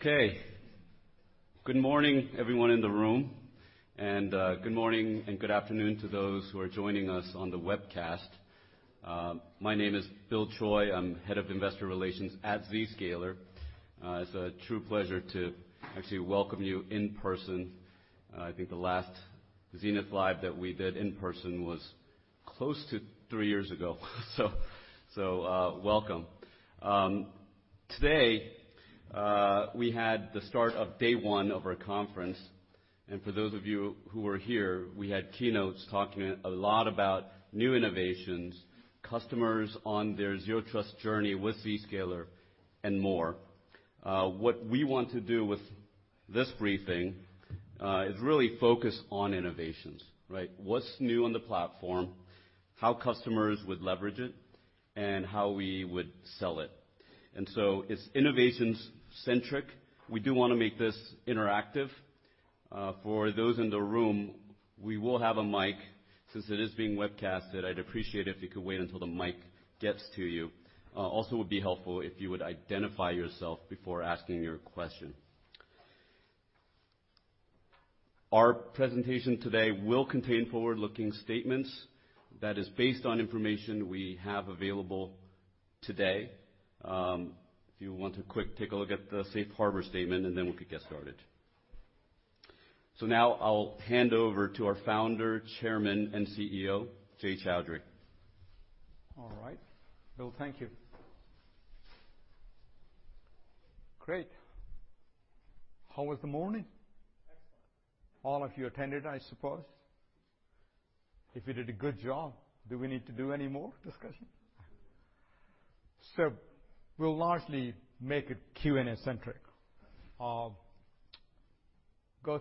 Okay. Good morning, everyone in the room, and good morning and good afternoon to those who are joining us on the webcast. My name is Bill Choi. I'm Head of Investor Relations at Zscaler. It's a true pleasure to actually welcome you in person. I think the last Zenith Live that we did in person was close to three years ago, so welcome. Today, we had the start of day one of our conference, and for those of you who were here, we had keynotes talking a lot about new innovations, customers on their Zero Trust journey with Zscaler, and more. What we want to do with this briefing is really focus on innovations, right? What's new on the platform, how customers would leverage it, and how we would sell it. It's innovations centric. We do want to make this interactive. For those in the room, we will have a mic. Since it is being webcast, I'd appreciate it if you could wait until the mic gets to you. Also would be helpful if you would identify yourself before asking your question. Our presentation today will contain forward-looking statements that is based on information we have available today. If you want to quick take a look at the safe harbor statement, and then we could get started. Now I'll hand over to our founder, chairman, and CEO, Jay Chaudhry. All right. Bill, thank you. Great. How was the morning? All of you attended, I suppose. If you did a good job, do we need to do any more discussion? We'll largely make it Q&A centric. Go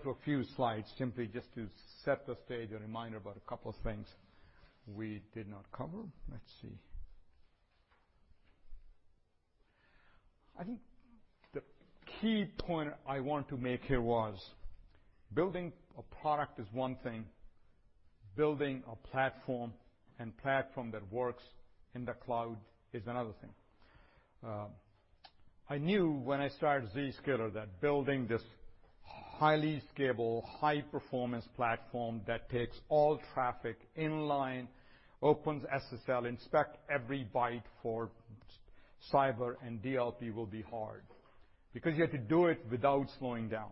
through a few slides simply just to set the stage, a reminder about a couple of things we did not cover. Let's see. I think the key point I want to make here was building a product is one thing, building a platform and platform that works in the cloud is another thing. I knew when I started Zscaler that building this highly scalable, high-performance platform that takes all traffic in line, opens SSL, inspect every byte for cyber and DLP will be hard because you have to do it without slowing down.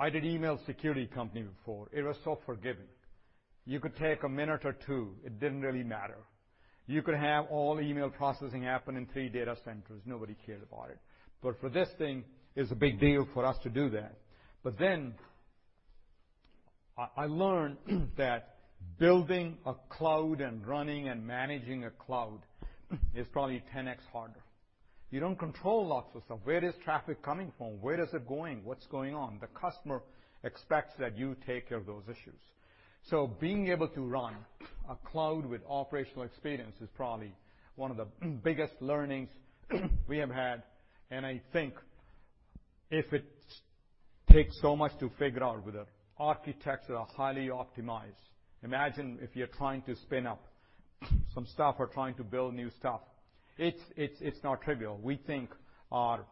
I did email security company before. It was so forgiving. You could take a minute or two, it didn't really matter. You could have all email processing happen in 3 data centers. Nobody cared about it. For this thing, it's a big deal for us to do that. I learned that building a cloud and running and managing a cloud is probably 10X harder. You don't control lots of stuff. Where is traffic coming from? Where is it going? What's going on? The customer expects that you take care of those issues. Being able to run a cloud with operational experience is probably one of the biggest learnings we have had. I think if it takes so much to figure out with an architecture highly optimized, imagine if you're trying to spin up some stuff or trying to build new stuff. It's not trivial. We think our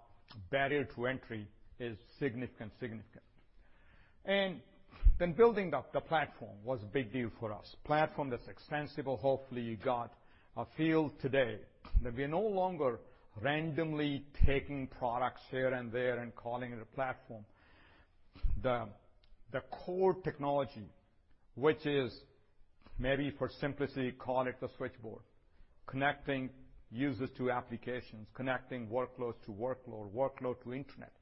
barrier to entry is significant. Building the platform was a big deal for us. Platform that's extensible. Hopefully, you got a feel today that we're no longer randomly taking products here and there and calling it a platform. The core technology, which is maybe for simplicity, call it the switchboard, connecting users to applications, connecting workloads to workload to internet.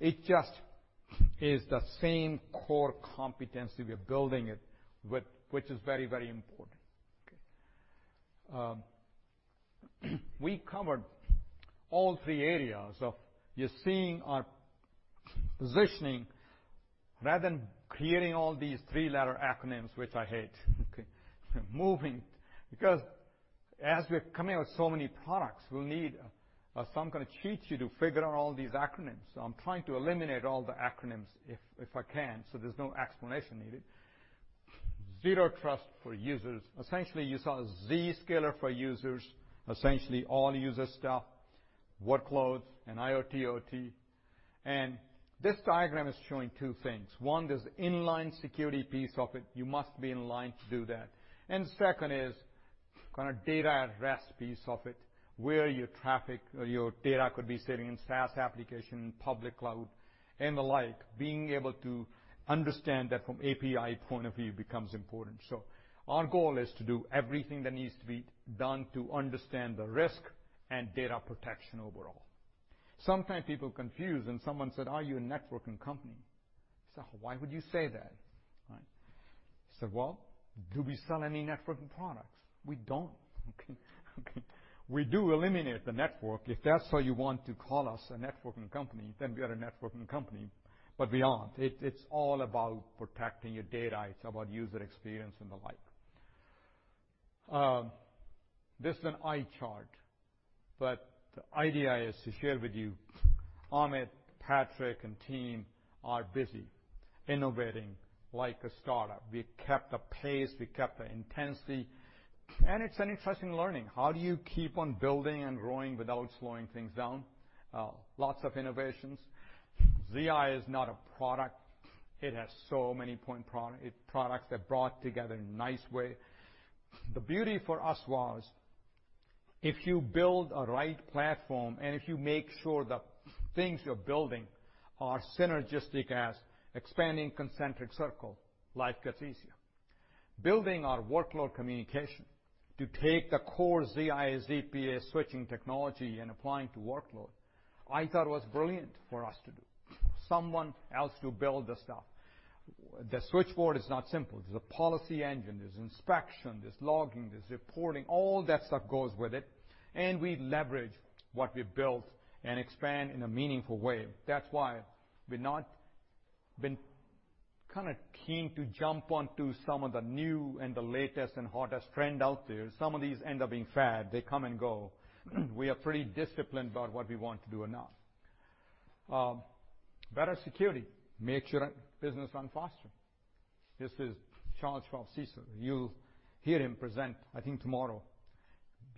It just is the same core competency we're building it with, which is very, very important. Okay. We covered all three areas. You're seeing our positioning rather than creating all these three letter acronyms, which I hate, okay? Moving, because as we're coming out with so many products, we'll need some kinda cheat sheet to figure out all these acronyms. I'm trying to eliminate all the acronyms if I can, so there's no explanation needed. Zero Trust for users. Essentially, you saw Zscaler for Users, essentially all user stuff, workloads and IoT, OT. This diagram is showing two things. One, there's inline security piece of it. You must be in line to do that. Second is kinda data at rest piece of it, where your traffic or your data could be sitting in SaaS application, public cloud, and the like. Being able to understand that from API point of view becomes important. Our goal is to do everything that needs to be done to understand the risk and data protection overall. Sometimes people confuse and someone said, "Are you a networking company?" I said, "Why would you say that?" Right? He said, "Well, do we sell any networking products?" We don't. Okay. We do eliminate the network. If that's how you want to call us a networking company, then we are a networking company, but we aren't. It's all about protecting your data. It's about user experience and the like. This is an eye chart, but the idea is to share with you. Amit, Patrick, and team are busy innovating like a startup. We kept the pace, we kept the intensity, and it's an interesting learning. How do you keep on building and growing without slowing things down? Lots of innovations. ZIA is not a product. It has so many point products that are brought together in a nice way. The beauty for us was, if you build a right platform, and if you make sure the things you're building are synergistic as expanding concentric circle, life gets easier. Building our workload communication to take the core ZIA, ZPA switching technology and applying to workload, I thought was brilliant for us to do. Someone else to build the stuff. The switchboard is not simple. There's a policy engine, there's inspection, there's logging, there's reporting, all that stuff goes with it. We leverage what we built and expand in a meaningful way. That's why we've not been kinda keen to jump onto some of the new and the latest and hottest trend out there. Some of these end up being a fad. They come and go. We are pretty disciplined about what we want to do or not. Better security makes your business run faster. This is Charles from CSA. You'll hear him present, I think tomorrow.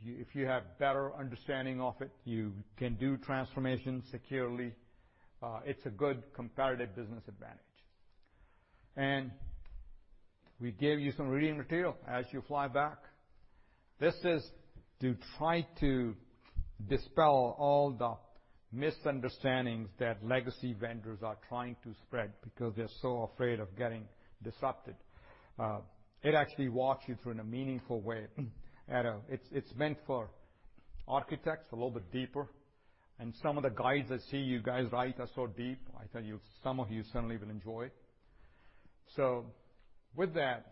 If you have better understanding of it, you can do transformation securely. It's a good competitive business advantage. We gave you some reading material as you fly back. This is to try to dispel all the misunderstandings that legacy vendors are trying to spread because they're so afraid of getting disrupted. It actually walks you through in a meaningful way. It's meant for architects a little bit deeper. Some of the guides I see you guys write are so deep, I tell you, some of you certainly will enjoy. With that,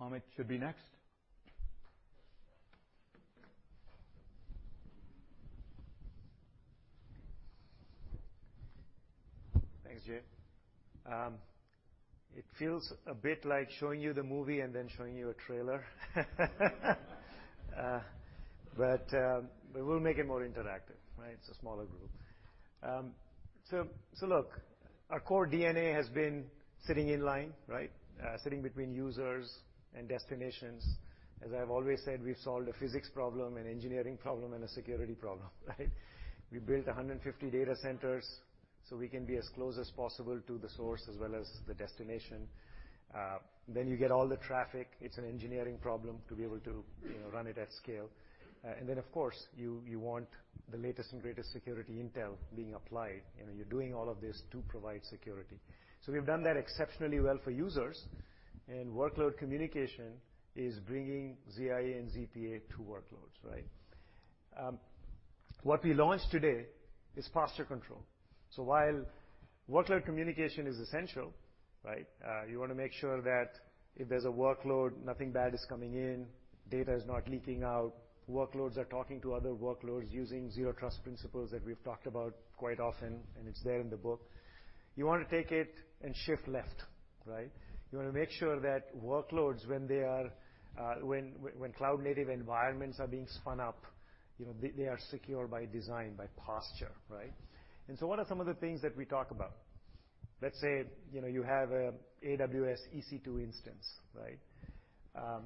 Amit should be next. Thanks, Jay. It feels a bit like showing you the movie and then showing you a trailer. We will make it more interactive, right? It's a smaller group. Look, our core DNA has been sitting in line, right? Sitting between users and destinations. As I've always said, we've solved a physics problem, an engineering problem, and a security problem, right? We built 150 data centers, so we can be as close as possible to the source as well as the destination. Then you get all the traffic. It's an engineering problem to be able to, you know, run it at scale. Then, of course, you want the latest and greatest security intel being applied. You know, you're doing all of this to provide security. We've done that exceptionally well for users, and workload communication is bringing ZIA and ZPA to workloads, right? What we launched today is Posture Control. While workload communication is essential, right? You wanna make sure that if there's a workload, nothing bad is coming in, data is not leaking out, workloads are talking to other workloads using Zero Trust principles that we've talked about quite often, and it's there in the book. You wanna take it and shift left, right? You wanna make sure that workloads, when cloud-native environments are being spun up, you know, they are secure by design, by posture, right? What are some of the things that we talk about? Let's say, you know, you have an AWS EC2 instance, right?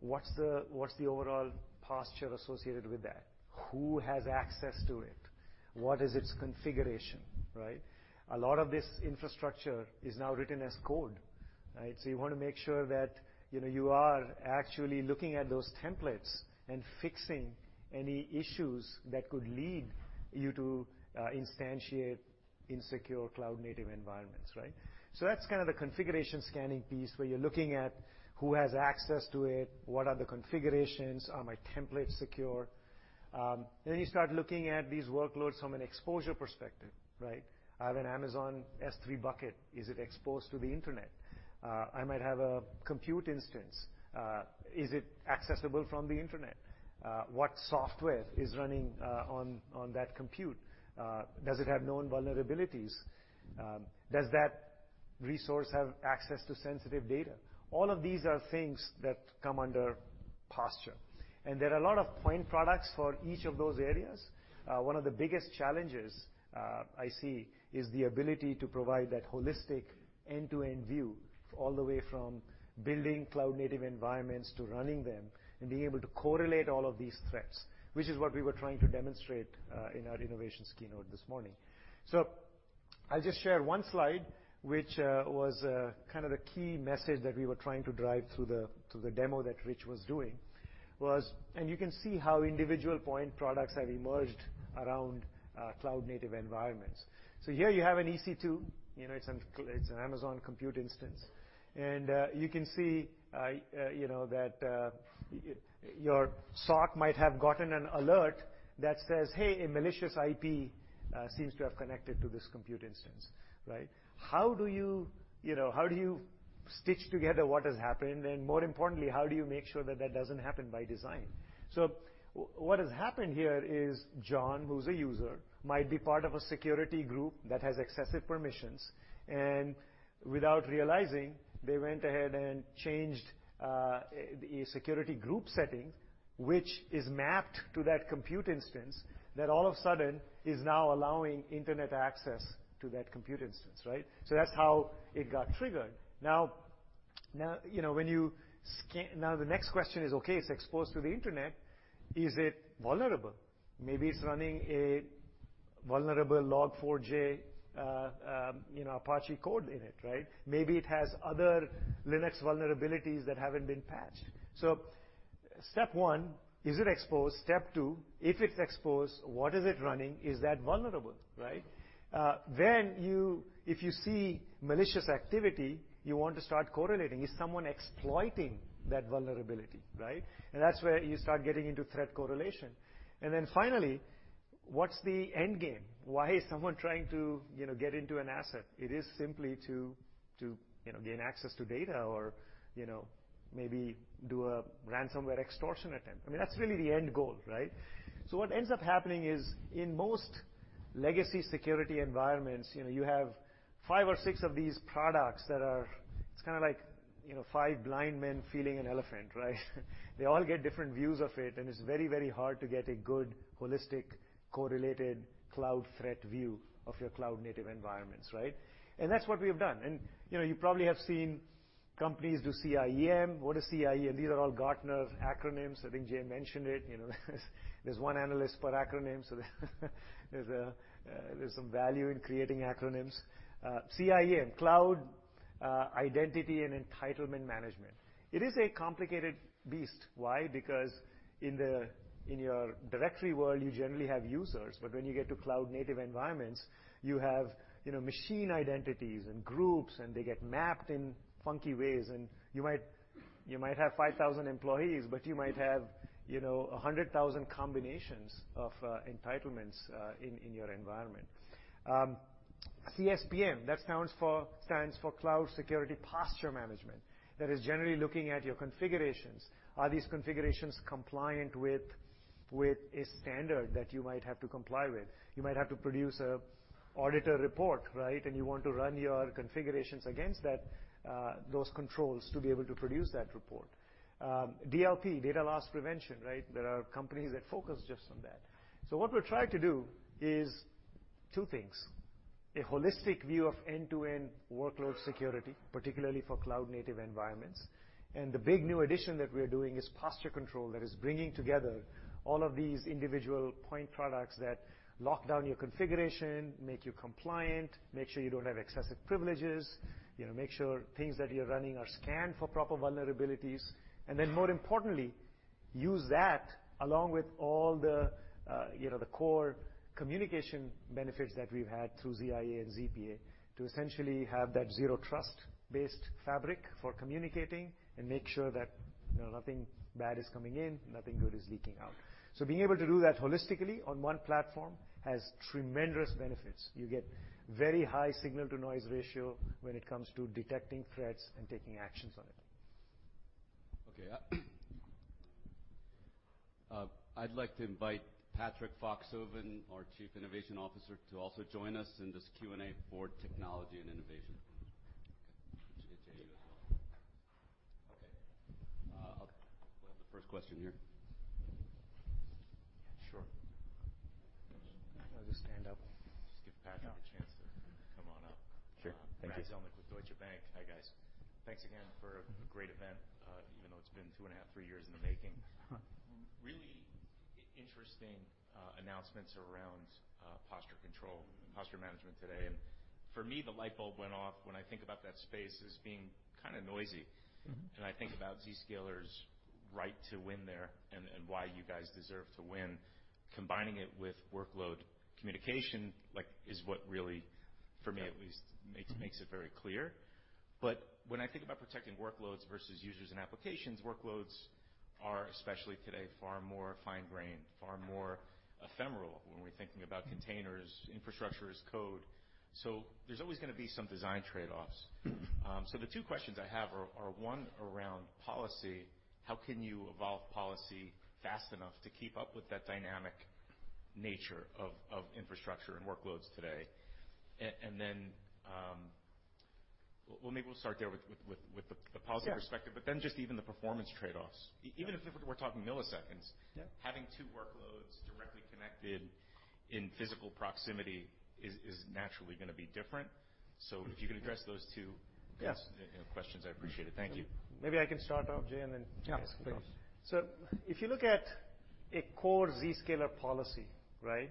What's the overall posture associated with that? Who has access to it? What is its configuration, right? A lot of this infrastructure is now written as code, right? You wanna make sure that, you know, you are actually looking at those templates and fixing any issues that could lead you to instantiate insecure cloud-native environments, right? That's kind of the configuration scanning piece, where you're looking at who has access to it, what are the configurations, are my templates secure? Then you start looking at these workloads from an exposure perspective, right? I have an Amazon S3 bucket. Is it exposed to the internet? I might have a compute instance. Is it accessible from the internet? What software is running on that compute? Does it have known vulnerabilities? Does that resource have access to sensitive data? All of these are things that come under posture. There are a lot of point products for each of those areas. One of the biggest challenges I see is the ability to provide that holistic end-to-end view all the way from building cloud-native environments to running them and being able to correlate all of these threats, which is what we were trying to demonstrate in our innovation keynote this morning. I'll just share one slide, which was kind of the key message that we were trying to drive through the demo that Rich was doing. You can see how individual point products have emerged around cloud-native environments. Here you have an EC2. You know, it's an Amazon compute instance. You can see, you know, that your SOC might have gotten an alert that says, "Hey, a malicious IP seems to have connected to this compute instance." Right? How do you know, how do you stitch together what has happened? More importantly, how do you make sure that that doesn't happen by design? What has happened here is John, who's a user, might be part of a security group that has excessive permissions. Without realizing, they went ahead and changed a security group setting, which is mapped to that compute instance that all of a sudden is now allowing Internet access to that compute instance, right? That's how it got triggered. Now, you know, when you scan. Now the next question is, okay, it's exposed to the Internet, is it vulnerable? Maybe it's running a vulnerable Log4j, you know, Apache code in it, right? Maybe it has other Linux vulnerabilities that haven't been patched. Step one, is it exposed? Step two, if it's exposed, what is it running? Is that vulnerable, right? If you see malicious activity, you want to start correlating. Is someone exploiting that vulnerability, right? That's where you start getting into threat correlation. Finally, what's the end game? Why is someone trying to, you know, get into an asset? It is simply to, you know, gain access to data or, you know, maybe do a ransomware extortion attempt. I mean, that's really the end goal, right? What ends up happening is, in most legacy security environments, you know, you have five or six of these products that are. It's kinda like, you know, five blind men feeling an elephant, right? They all get different views of it, and it's very, very hard to get a good, holistic, correlated cloud threat view of your cloud-native environments, right? That's what we have done. You know, you probably have seen companies do CIEM. What is CIEM? These are all Gartner's acronyms. I think Jay mentioned it. You know, there's one analyst per acronym, so there's some value in creating acronyms. CIEM, Cloud Infrastructure Entitlement Management. It is a complicated beast. Why? Because in your directory world, you generally have users, but when you get to cloud-native environments, you have, you know, machine identities and groups, and they get mapped in funky ways. You might have 5,000 employees, but you might have, you know, 100,000 combinations of entitlements in your environment. CSPM stands for Cloud Security Posture Management. That is generally looking at your configurations. Are these configurations compliant with a standard that you might have to comply with? You might have to produce an auditor report, right? You want to run your configurations against those controls to be able to produce that report. DLP, Data Loss Prevention, right? There are companies that focus just on that. What we're trying to do is two things, a holistic view of end-to-end workload security, particularly for cloud-native environments. The big new addition that we are doing is Posture Control. That is bringing together all of these individual point products that lock down your configuration, make you compliant, make sure you don't have excessive privileges, you know, make sure things that you're running are scanned for proper vulnerabilities. Then more importantly, use that along with all the, you know, the core communication benefits that we've had through ZIA and ZPA to essentially have that Zero Trust-based fabric for communicating and make sure that, you know, nothing bad is coming in, nothing good is leaking out. Being able to do that holistically on one platform has tremendous benefits. You get very high signal-to-noise ratio when it comes to detecting threats and taking actions on it. Okay, I'd like to invite Patrick Foxhoven, our Chief Information Officer, to also join us in this Q&A for technology and innovation. Okay. It's good to have you as well. Okay. We'll have the first question here. Sure. I'll just stand up. Just give Patrick a chance to come on up. Sure. Thank you. [Brad Zelnick] with Deutsche Bank. Hi, guys. Thanks again for a great event, even though it's been 2.5-3 years in the making. Really interesting announcements around Posture Control, posture management today. For me, the light bulb went off when I think about that space as being kinda noisy. I think about Zscaler's right to win there and why you guys deserve to win. Combining it with workload communication, like, is what really, for me at least. Makes it very clear. When I think about protecting workloads versus users and applications, workloads are, especially today, far more fine-grained, far more ephemeral when we're thinking about containers, Infrastructure as Code. There's always gonna be some design trade-offs. The two questions I have are one around policy. How can you evolve policy fast enough to keep up with that dynamic nature of infrastructure and workloads today? Maybe we'll start there with the positive perspective. Yeah. Just even the performance trade-offs. Even if we're talking milliseconds. Yeah Having two workloads directly connected in physical proximity is naturally gonna be different. If you can address those two- Yeah Those, you know, questions, I'd appreciate it. Thank you. Maybe I can start off, Jay, and then. Yeah. Of course. If you look at a core Zscaler policy, right?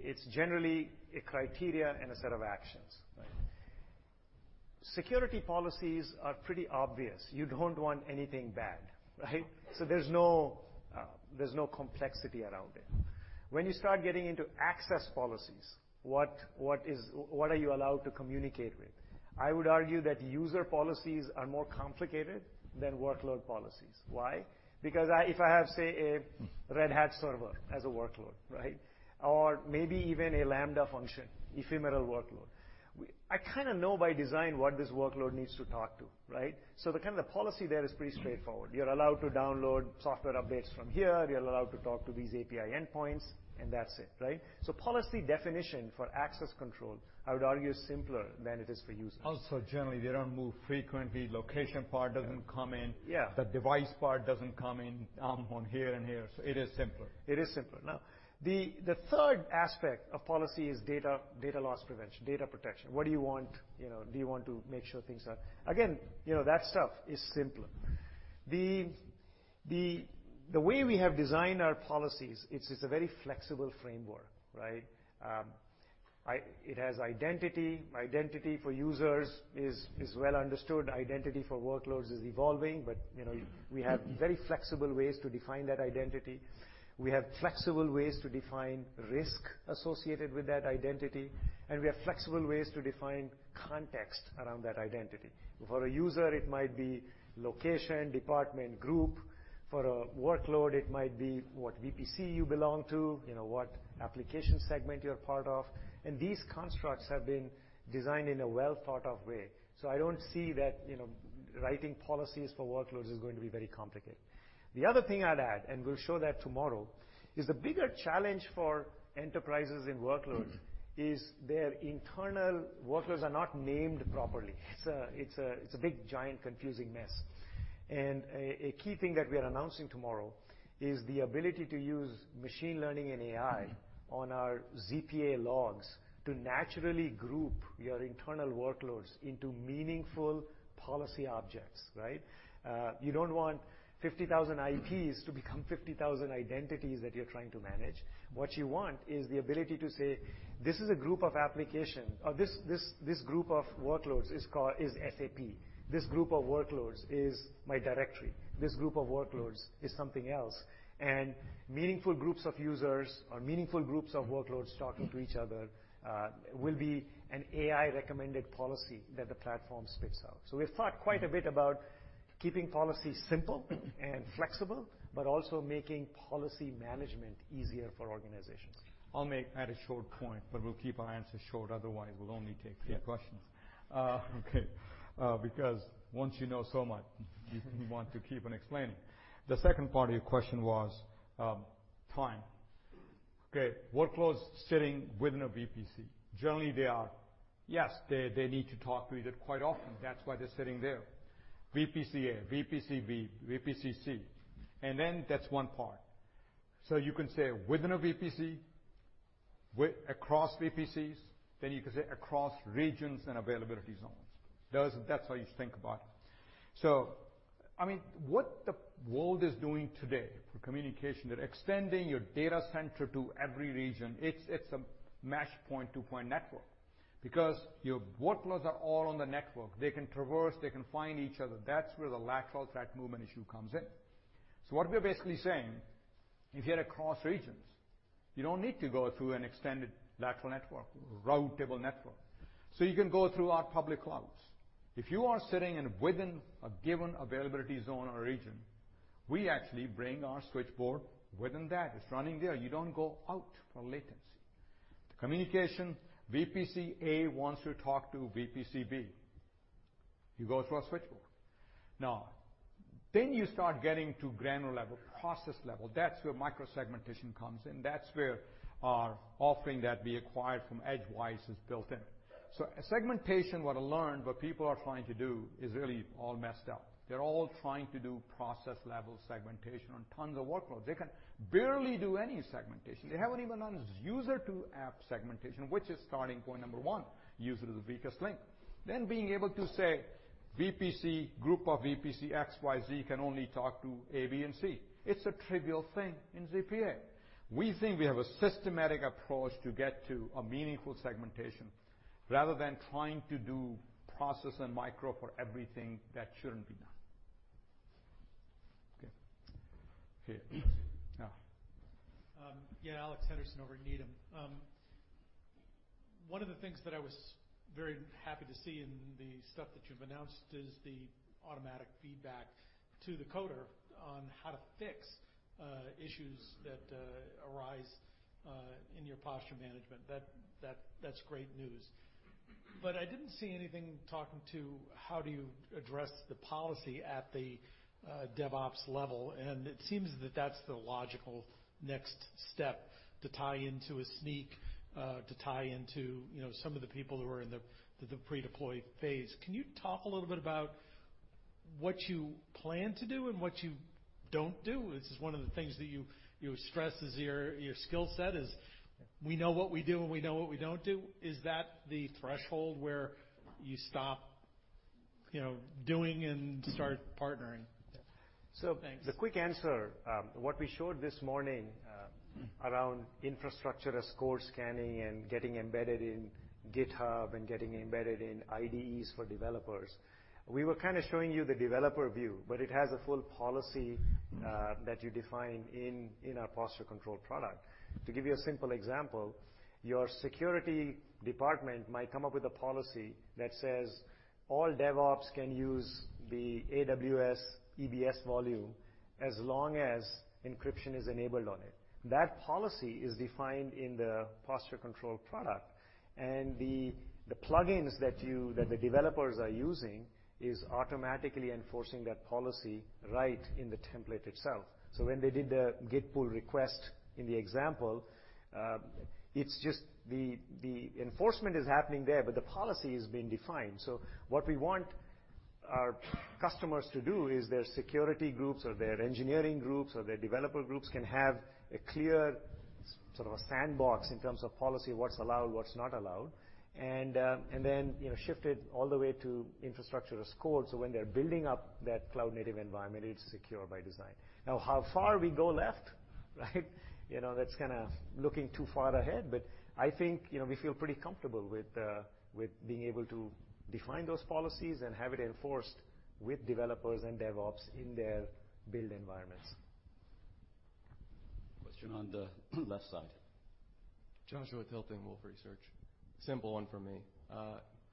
It's generally a criteria and a set of actions, right? Security policies are pretty obvious. You don't want anything bad, right? There's no complexity around it. When you start getting into access policies, what are you allowed to communicate with? I would argue that user policies are more complicated than workload policies. Why? Because if I have, say, a Red Hat server as a workload, right? Or maybe even a Lambda function, ephemeral workload, I kinda know by design what this workload needs to talk to, right? The kinda policy there is pretty straightforward. You're allowed to download software updates from here. You're allowed to talk to these API endpoints, and that's it, right? Policy definition for access control, I would argue, is simpler than it is for users. Also, generally, they don't move frequently. Location part doesn't come in. Yeah. The device part doesn't come in, on here and here. It is simpler. It is simpler. Now, the third aspect of policy is data loss prevention, data protection. What do you want? You know, do you want to make sure things are? Again, you know, that stuff is simpler. The way we have designed our policies, it's a very flexible framework, right? It has identity. Identity for users is well understood. Identity for workloads is evolving, but, you know, we have very flexible ways to define that identity. We have flexible ways to define risk associated with that identity, and we have flexible ways to define context around that identity. For a user, it might be location, department, group. For a workload, it might be what VPC you belong to, you know, what application segment you're part of. These constructs have been designed in a well-thought-of way. I don't see that, you know, writing policies for workloads is going to be very complicated. The other thing I'd add, and we'll show that tomorrow, is the bigger challenge for enterprises in workloads is their internal workloads are not named properly. It's a big, giant, confusing mess. A key thing that we are announcing tomorrow is the ability to use machine learning and AI on our ZPA logs to naturally group your internal workloads into meaningful policy objects, right? You don't want 50,000 IPs to become 50,000 identities that you're trying to manage. What you want is the ability to say, "This group of workloads is called SAP. This group of workloads is my directory. This group of workloads is something else." Meaningful groups of users or meaningful groups of workloads talking to each other will be an AI-recommended policy that the platform spits out. We've thought quite a bit about keeping policies simple and flexible, but also making policy management easier for organizations. Add a short point, but we'll keep our answers short, otherwise we'll only take three questions. Because once you know so much, you want to keep on explaining. The second part of your question was, time. Workloads sitting within a VPC. Generally, they need to talk to each other quite often. That's why they're sitting there. VPC A, VPC B, VPC C, and then that's one part. You can say within a VPC, across VPCs, then you can say across regions and availability zones. Those. That's how you think about it. I mean, what the world is doing today for communication, they're extending your data center to every region. It's a mesh point-to-point network. Because your workloads are all on the network, they can traverse, they can find each other. That's where the lateral threat movement issue comes in. What we're basically saying, if you're across regions, you don't need to go through an extended lateral network, routable network. You can go through our public clouds. If you are sitting within a given availability zone or region, we actually bring our switchboard within that. It's running there. You don't go out for latency. The communication, VPC A wants to talk to VPC B. You go through a switchboard. Now, you start getting to granular level, process level. That's where microsegmentation comes in. That's where our offering that we acquired from Edgewise is built in. Segmentation, what I learned, what people are trying to do is really all messed up. They're all trying to do process-level segmentation on tons of workloads. They can barely do any segmentation. They haven't even done user-to-app segmentation, which is starting point number one. User is the weakest link. Being able to say, "VPC, group of VPC X, Y, Z can only talk to A, B, and C." It's a trivial thing in ZPA. We think we have a systematic approach to get to a meaningful segmentation rather than trying to do process and micro for everything that shouldn't be done. Okay. Here. Yeah, Alex Henderson over at Needham. One of the things that I was very happy to see in the stuff that you've announced is the automatic feedback to the coder on how to fix issues that arise in your posture management. That's great news. But I didn't see anything talking to how do you address the policy at the DevOps level, and it seems that that's the logical next step to tie into Snyk, you know, some of the people who are in the pre-deploy phase. Can you talk a little bit about what you plan to do and what you don't do? This is one of the things that you stress as your skill set is we know what we do and we know what we don't do. Is that the threshold where you stop, you know, doing and start partnering? So- Thanks. The quick answer, what we showed this morning, around infrastructure as code scanning and getting embedded in GitHub and getting embedded in IDEs for developers, we were kinda showing you the developer view, but it has a full policy, that you define in our Posture Control product. To give you a simple example, your security department might come up with a policy that says all DevOps can use the AWS EBS volume as long as encryption is enabled on it. That policy is defined in the Posture Control product, and the plug-ins that the developers are using is automatically enforcing that policy right in the template itself. When they did the Git pull request in the example, it's just the enforcement is happening there, but the policy is being defined. What we want our customers to do is their security groups or their engineering groups or their developer groups can have a clear sort of a sandbox in terms of policy, what's allowed, what's not allowed, and then, you know, shift it all the way to Infrastructure as Code, so when they're building up that cloud-native environment, it's secure by design. Now, how far we go left, right? You know, that's kinda looking too far ahead, but I think, you know, we feel pretty comfortable with with being able to define those policies and have it enforced with developers and DevOps in their build environments. Question on the left side. Joshua Tilton, Wolfe Research. Simple one from me.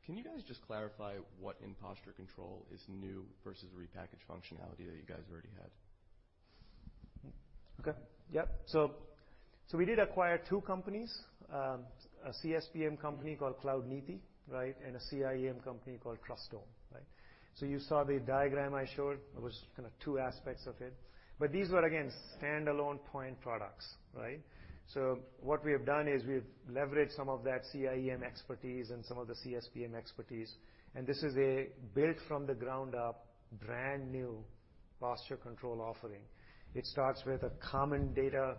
Can you guys just clarify what in Posture Control is new versus repackaged functionality that you guys already had? We did acquire two companies. A CSPM company called Cloudneeti, right? And a CIEM company called Trustdome, right? You saw the diagram I showed, it was kinda two aspects of it. These were again, standalone point products, right? What we have done is we've leveraged some of that CIEM expertise and some of the CSPM expertise, and this is a built from the ground up, brand new Posture Control offering. It starts with a common data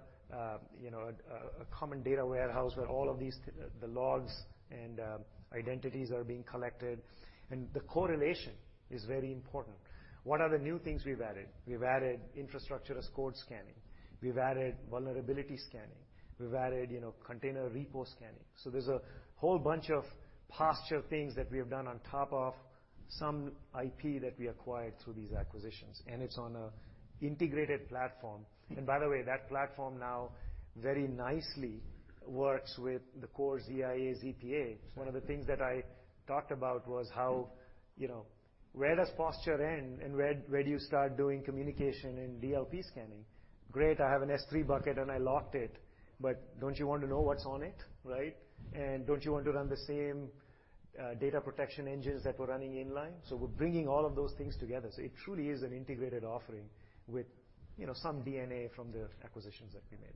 warehouse where all of these, the logs and identities are being collected. The correlation is very important. What are the new things we've added? We've added infrastructure as code scanning. We've added vulnerability scanning. We've added, you know, container repo scanning. There's a whole bunch of posture things that we have done on top of some IP that we acquired through these acquisitions, and it's on an integrated platform. By the way, that platform now very nicely works with the core ZIA, ZPA. One of the things that I talked about was how, you know, where does posture end and where do you start doing communication and DLP scanning? Great, I have an S3 bucket and I locked it. But don't you want to know what's on it, right? Don't you want to run the same data protection engines that we're running in line? We're bringing all of those things together. It truly is an integrated offering with, you know, some DNA from the acquisitions that we made.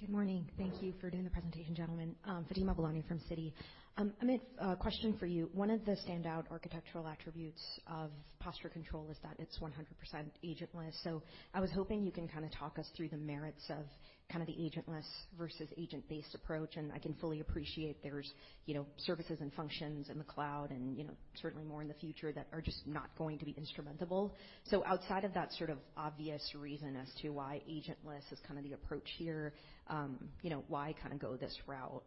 Good morning. Thank you for doing the presentation, gentlemen. Fatima Boolani from Citi. Amit, a question for you. One of the standout architectural attributes of Posture Control is that it's 100% agentless, so I was hoping you can kinda talk us through the merits of kinda the agentless versus agent-based approach. I can fully appreciate there's, you know, services and functions in the cloud and, you know, certainly more in the future that are just not going to be instrumentable. Outside of that sort of obvious reason as to why agentless is kinda the approach here, you know, why kinda go this route?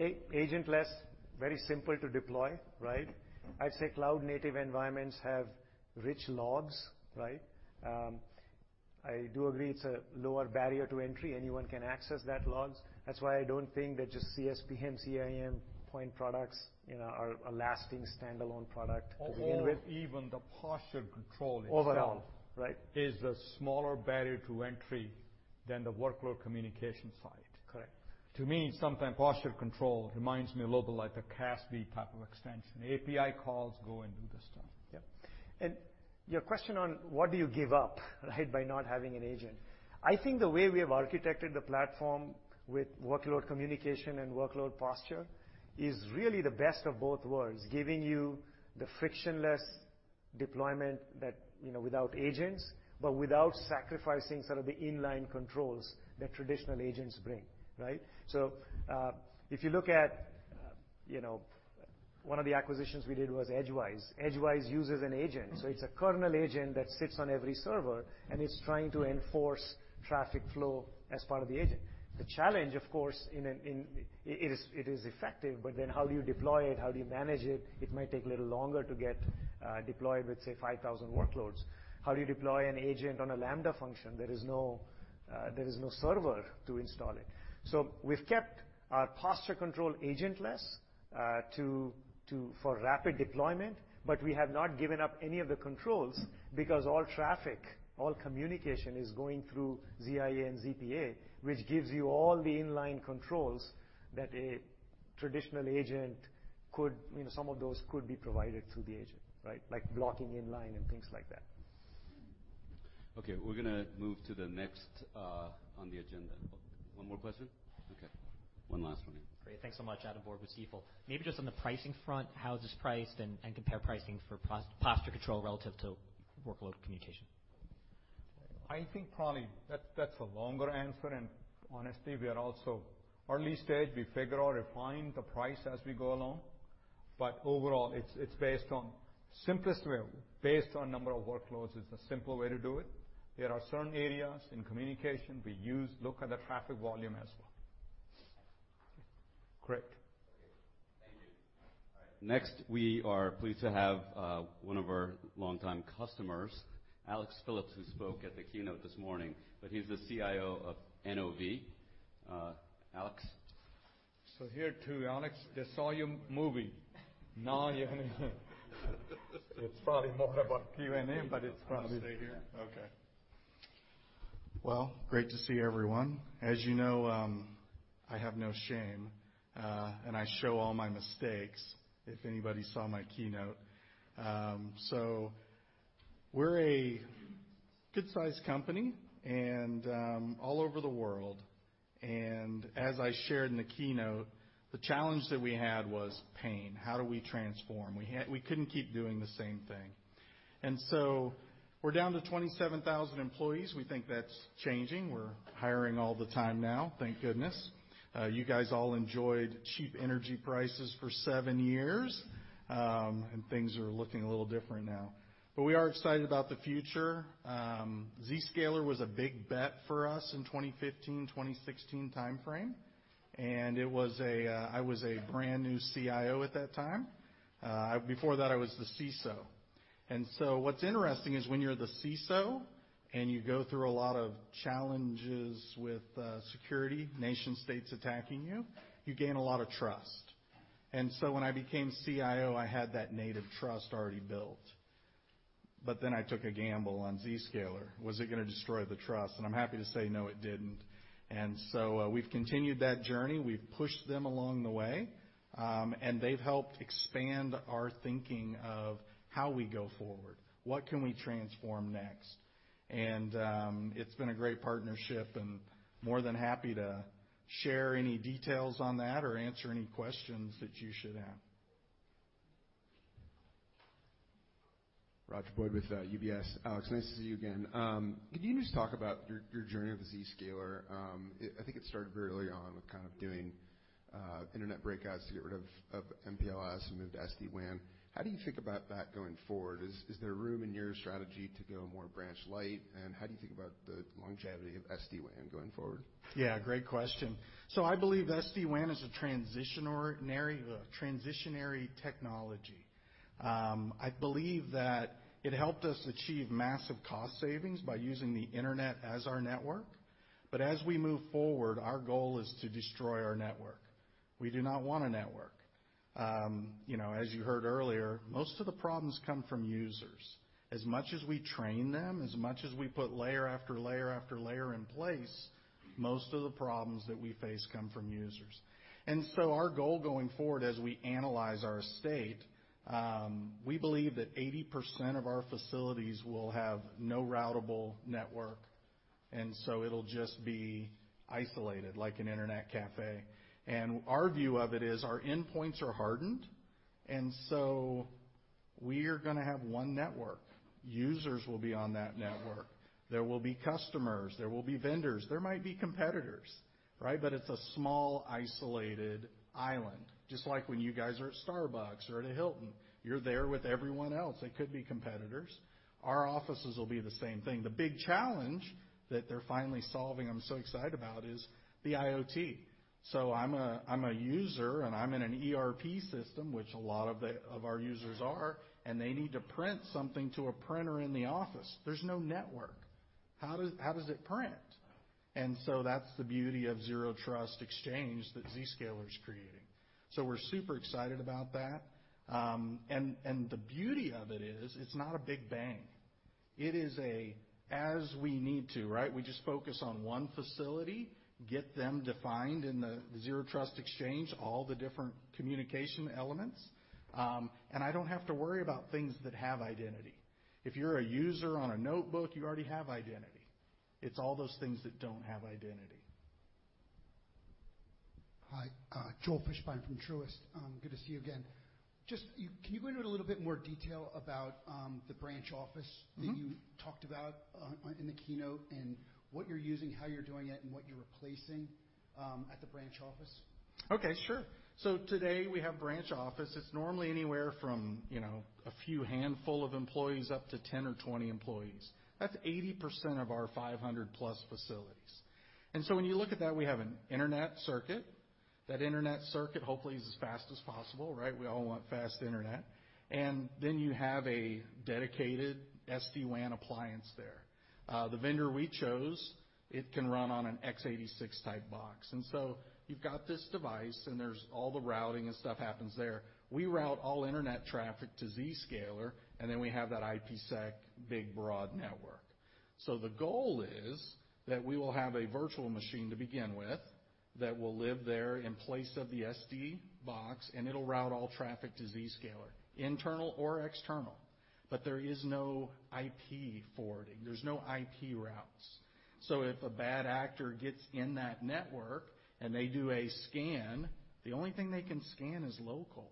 Agentless, very simple to deploy, right? I'd say cloud-native environments have rich logs, right? I do agree it's a lower barrier to entry. Anyone can access those logs. That's why I don't think that just CSPM, CIEM point products, you know, are a lasting standalone product to begin with. Even the Posture Control itself. Overall, right. Is the smaller barrier to entry than the workload communication side. Correct. To me, sometimes Posture Control reminds me a little bit like a CASB type of extension. API calls go and do the stuff. Yeah. Your question on what do you give up, right, by not having an agent. I think the way we have architected the platform with workload communication and workload posture is really the best of both worlds, giving you the frictionless deployment that, you know, without agents, but without sacrificing sort of the in-line controls that traditional agents bring, right? If you look at, you know, one of the acquisitions we did was Edgewise. Edgewise uses an agent. It's a kernel agent that sits on every server, and it's trying to enforce traffic flow as part of the agent. The challenge, of course, is effective, but then how do you deploy it? How do you manage it? It might take a little longer to get deployed with, say, 5,000 workloads. How do you deploy an agent on a Lambda function? There is no server to install it. We've kept our Posture Control agentless for rapid deployment, but we have not given up any of the controls because all traffic, all communication is going through ZIA and ZPA, which gives you all the in-line controls that a traditional agent could, you know, some of those could be provided through the agent, right? Like blocking in-line and things like that. Okay, we're gonna move to the next, on the agenda. One more question? Okay. One last one, yeah. Great. Thanks so much. Adam Borg with Stifel. Maybe just on the pricing front, how is this priced, and compare pricing for Posture Control relative to workload communication. I think probably that's a longer answer, and honestly, we are also early stage. We figure or refine the price as we go along. Overall, it's based on simplest way, based on number of workloads is the simple way to do it. There are certain areas in communication we use. Look at the traffic volume as well. Great. Okay. Thank you. All right. Next, we are pleased to have one of our longtime customers, Alex Phillips, who spoke at the keynote this morning. He's the CIO of NOV. Alex. Here too, Alex, they saw your movie. It's probably more about Q&A, but it's probably I'll stay here. Okay. Well, great to see everyone. As you know, I have no shame, and I show all my mistakes, if anybody saw my keynote. We're a good-sized company and all over the world. As I shared in the keynote, the challenge that we had was pain. How do we transform? We couldn't keep doing the same thing. We're down to 27,000 employees. We think that's changing. We're hiring all the time now, thank goodness. You guys all enjoyed cheap energy prices for seven years, and things are looking a little different now. We are excited about the future. Zscaler was a big bet for us in 2015-2016 timeframe, and it was. I was a brand new CIO at that time. Before that, I was the CISO. What's interesting is when you're the CISO and you go through a lot of challenges with security, nation-states attacking you gain a lot of trust. When I became CIO, I had that native trust already built. Then I took a gamble on Zscaler. Was it gonna destroy the trust? I'm happy to say, no, it didn't. We've continued that journey. We've pushed them along the way, and they've helped expand our thinking of how we go forward, what can we transform next. It's been a great partnership and more than happy to share any details on that or answer any questions that you should have. Roger Boyd with UBS. Alex, nice to see you again. Could you just talk about your journey with Zscaler? I think it started very early on with kind of doing internet breakouts to get rid of MPLS and move to SD-WAN. How do you think about that going forward? Is there room in your strategy to go more branch light, and how do you think about the longevity of SD-WAN going forward? Yeah, great question. I believe SD-WAN is a transitional technology. I believe that it helped us achieve massive cost savings by using the Internet as our network. As we move forward, our goal is to destroy our network. We do not want a network. You know, as you heard earlier, most of the problems come from users. As much as we train them, as much as we put layer after layer after layer in place, most of the problems that we face come from users. Our goal going forward as we analyze our estate, we believe that 80% of our facilities will have no routable network, and so it'll just be isolated like an internet cafe. Our view of it is our endpoints are hardened, and so we are gonna have one network. Users will be on that network. There will be customers, there will be vendors, there might be competitors, right? It's a small isolated island. Just like when you guys are at Starbucks or at a Hilton, you're there with everyone else. It could be competitors. Our offices will be the same thing. The big challenge that they're finally solving, I'm so excited about, is the IoT. I'm a user, and I'm in an ERP system, which a lot of our users are, and they need to print something to a printer in the office. There's no network. How does it print? That's the beauty of Zero Trust Exchange that Zscaler is creating. We're super excited about that. The beauty of it is it's not a big bang. It is as we need to, right? We just focus on one facility, get them defined in the Zero Trust Exchange, all the different communication elements, and I don't have to worry about things that have identity. If you're a user on a notebook, you already have identity. It's all those things that don't have identity. Hi, Joel Fishbein from Truist. Good to see you again. Can you go into a little bit more detail about the branch office? That you talked about on in the keynote and what you're using, how you're doing it, and what you're replacing at the branch office? Okay, sure. Today we have branch office. It's normally anywhere from, you know, a few handful of employees up to 10 or 20 employees. That's 80% of our 500+ facilities. When you look at that, we have an internet circuit. That internet circuit hopefully is as fast as possible, right? We all want fast internet. You have a dedicated SD-WAN appliance there. The vendor we chose, it can run on an x86 type box. You've got this device and there's all the routing and stuff happens there. We route all internet traffic to Zscaler, and then we have that IPsec big broad network. The goal is that we will have a virtual machine to begin with that will live there in place of the SD box, and it'll route all traffic to Zscaler, internal or external. There is no IP forwarding. There's no IP routes. If a bad actor gets in that network and they do a scan, the only thing they can scan is local.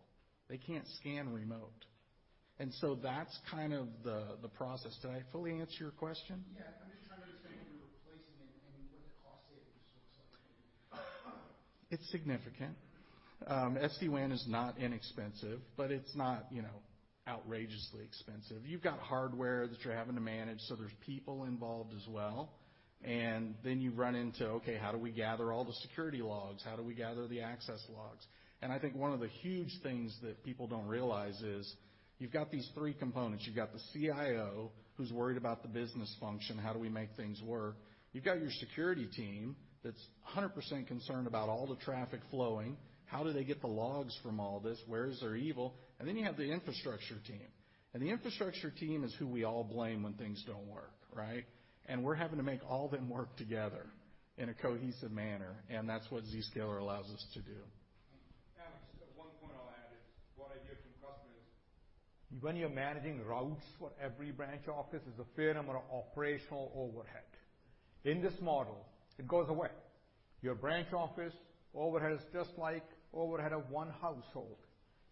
They can't scan remote. That's kind of the process. Did I fully answer your question? Yeah. I'm just trying to understand what you're replacing and what the cost savings looks like. It's significant. SD-WAN is not inexpensive, but it's not, you know, outrageously expensive. You've got hardware that you're having to manage, so there's people involved as well. Then you run into, okay, how do we gather all the security logs? How do we gather the access logs? I think one of the huge things that people don't realize is you've got these three components. You've got the CIO, who's worried about the business function, how do we make things work? You've got your security team that's 100% concerned about all the traffic flowing. How do they get the logs from all this? Where is their visibility? Then you have the infrastructure team, and the infrastructure team is who we all blame when things don't work, right? We're having to make all of them work together in a cohesive manner, and that's what Zscaler allows us to do. One point I'll add is what I hear from customers, when you're managing routes for every branch office, there's a fair amount of operational overhead. In this model, it goes away. Your branch office overhead is just like overhead of one household.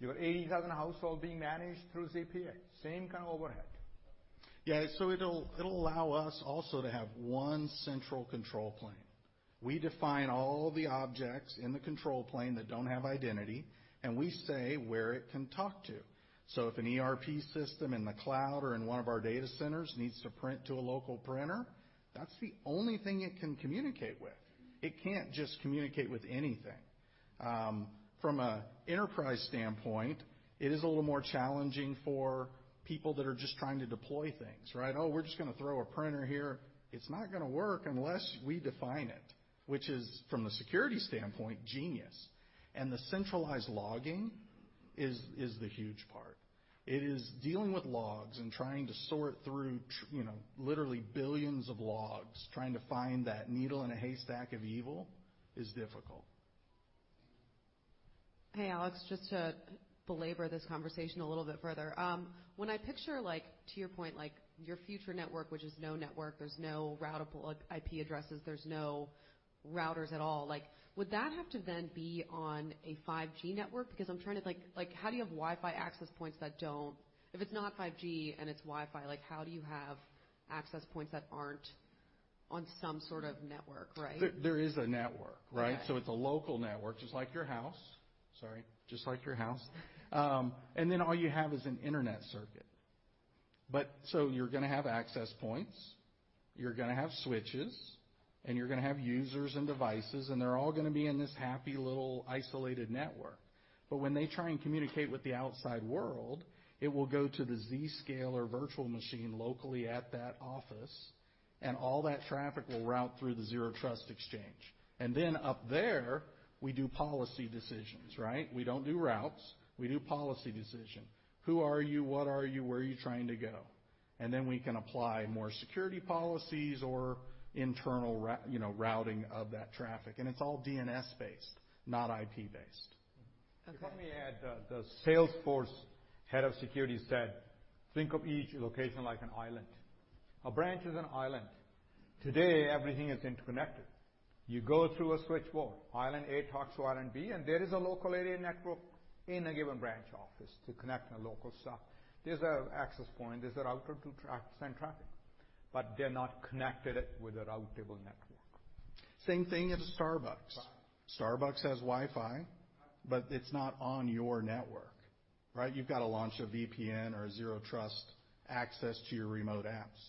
Your 80,000 household being managed through ZPA, same kind of overhead. Yeah. It'll allow us also to have one central control plane. We define all the objects in the control plane that don't have identity, and we say where it can talk to. If an ERP system in the cloud or in one of our data centers needs to print to a local printer, that's the only thing it can communicate with. It can't just communicate with anything. From an enterprise standpoint, it is a little more challenging for people that are just trying to deploy things, right? Oh, we're just gonna throw a printer here. It's not gonna work unless we define it, which is, from a security standpoint, genius. The centralized logging is the huge part. It is dealing with logs and trying to sort through you know, literally billions of logs, trying to find that needle in a haystack of evil is difficult. Hey, Alex, just to belabor this conversation a little bit further. When I picture like, to your point, like, your future network, which is no network, there's no routable, like, IP addresses, there's no routers at all. Like, would that have to then be on a 5G network? Because I'm trying to like, how do you have Wi-Fi access points that don't. If it's not 5G and it's Wi-Fi, like, how do you have access points that aren't on some sort of network, right? There is a network, right? Okay. It's a local network, just like your house. Sorry. Just like your house. All you have is an internet circuit. You're gonna have access points, you're gonna have switches, and you're gonna have users and devices, and they're all gonna be in this happy little isolated network. When they try and communicate with the outside world, it will go to the Zscaler virtual machine locally at that office, and all that traffic will route through the Zero Trust Exchange. Up there, we do policy decisions, right? We don't do routes. We do policy decision. Who are you? What are you? Where are you trying to go? We can apply more security policies or internal, you know, routing of that traffic. It's all DNS-based, not IP-based. Okay. If I may add, the Salesforce head of security said, "Think of each location like an island." A branch is an island. Today, everything is interconnected. You go through a switchboard. Island A talks to island B, and there is a local area network in a given branch office to connect the local stuff. There's an access point, there's a router to send traffic. But they're not connected with a routable network. Same thing at a Starbucks. Starbucks has Wi-Fi, but it's not on your network, right? You've got to launch a VPN or a zero trust access to your remote apps.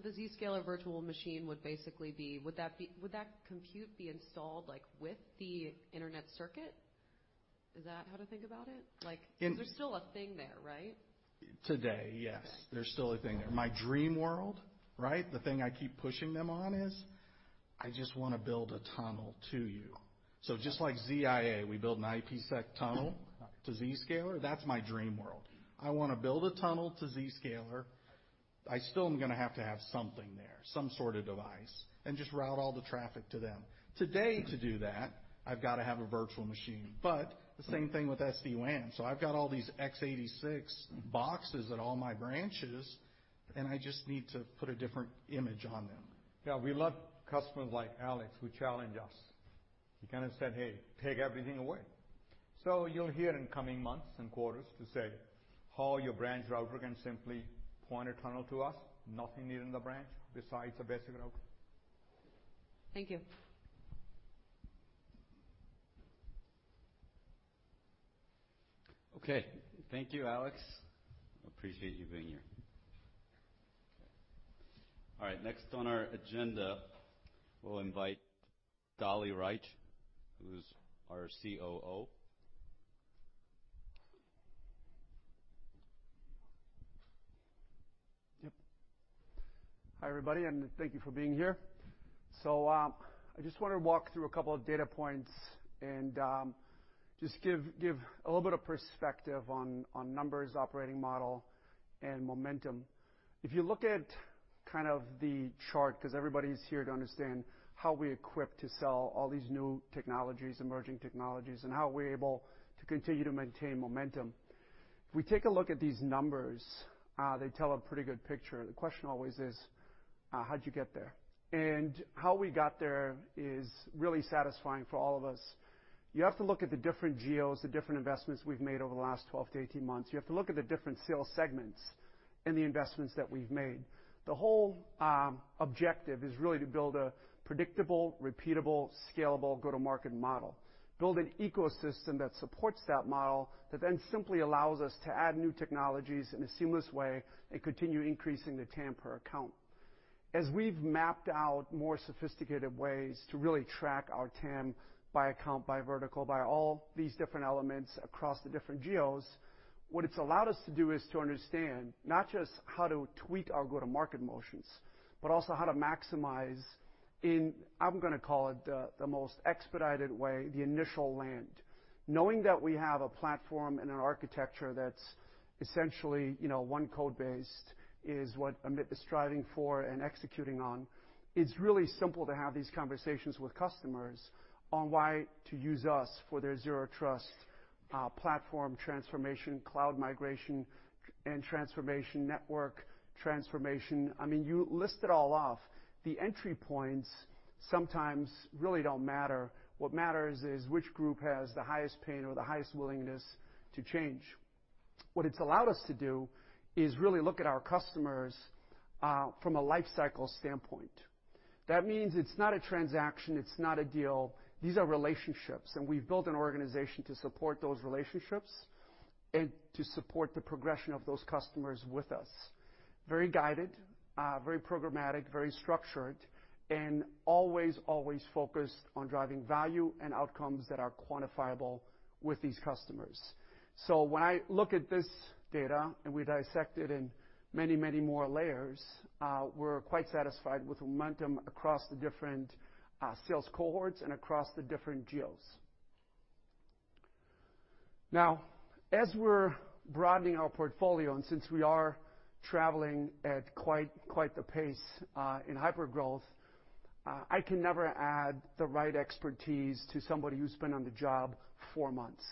The Zscaler virtual machine would basically be. Would that compute be installed, like, with the internet circuit? Is that how to think about it? In- 'Cause there's still a thing there, right? Today, yes. There's still a thing there. My dream world, right? The thing I keep pushing them on is I just wanna build a tunnel to you. Just like ZIA, we build an IPsec tunnel to Zscaler. That's my dream world. I wanna build a tunnel to Zscaler. I still am gonna have to have something there, some sorta device, and just route all the traffic to them. Today, to do that, I've got to have a virtual machine. The same thing with SD-WAN. I've got all these x86 boxes at all my branches, and I just need to put a different image on them. Yeah, we love customers like Alex who challenge us. He kinda said, "Hey, take everything away." You'll hear in coming months and quarters to say, "Haul your branch router and simply point a tunnel to us." Nothing new in the branch besides the basic router. Thank you. Okay. Thank you, Alex. Appreciate you being here. All right. Next on our agenda, we'll invite Dali Rajic, who's our COO. Yep. Hi, everybody, and thank you for being here. I just wanna walk through a couple of data points and just give a little bit of perspective on numbers, operating model, and momentum. If you look at kind of the chart, 'cause everybody's here to understand how we're equipped to sell all these new technologies, emerging technologies, and how we're able to continue to maintain momentum. If we take a look at these numbers, they tell a pretty good picture. The question always is, how'd you get there? How we got there is really satisfying for all of us. You have to look at the different geos, the different investments we've made over the last 12-18 months. You have to look at the different sales segments and the investments that we've made. The whole objective is really to build a predictable, repeatable, scalable go-to-market model. Build an ecosystem that supports that model that then simply allows us to add new technologies in a seamless way and continue increasing the TAM per account. As we've mapped out more sophisticated ways to really track our TAM by account, by vertical, by all these different elements across the different geos, what it's allowed us to do is to understand not just how to tweak our go-to-market motions, but also how to maximize in, I'm gonna call it the most expedited way, the initial land. Knowing that we have a platform and an architecture that's essentially, you know, one code base is what Amit is striving for and executing on, it's really simple to have these conversations with customers on why to use us for their Zero Trust platform transformation, cloud migration, and network transformation. I mean, you list it all off. The entry points sometimes really don't matter. What matters is which group has the highest pain or the highest willingness to change. What it's allowed us to do is really look at our customers from a life cycle standpoint. That means it's not a transaction, it's not a deal. These are relationships, and we've built an organization to support those relationships and to support the progression of those customers with us. Very guided, very programmatic, very structured, and always focused on driving value and outcomes that are quantifiable with these customers. When I look at this data, and we dissect it in many more layers, we're quite satisfied with momentum across the different sales cohorts and across the different geos. Now, as we're broadening our portfolio, and since we are traveling at quite the pace in hypergrowth, I can never add the right expertise to somebody who's been on the job four months.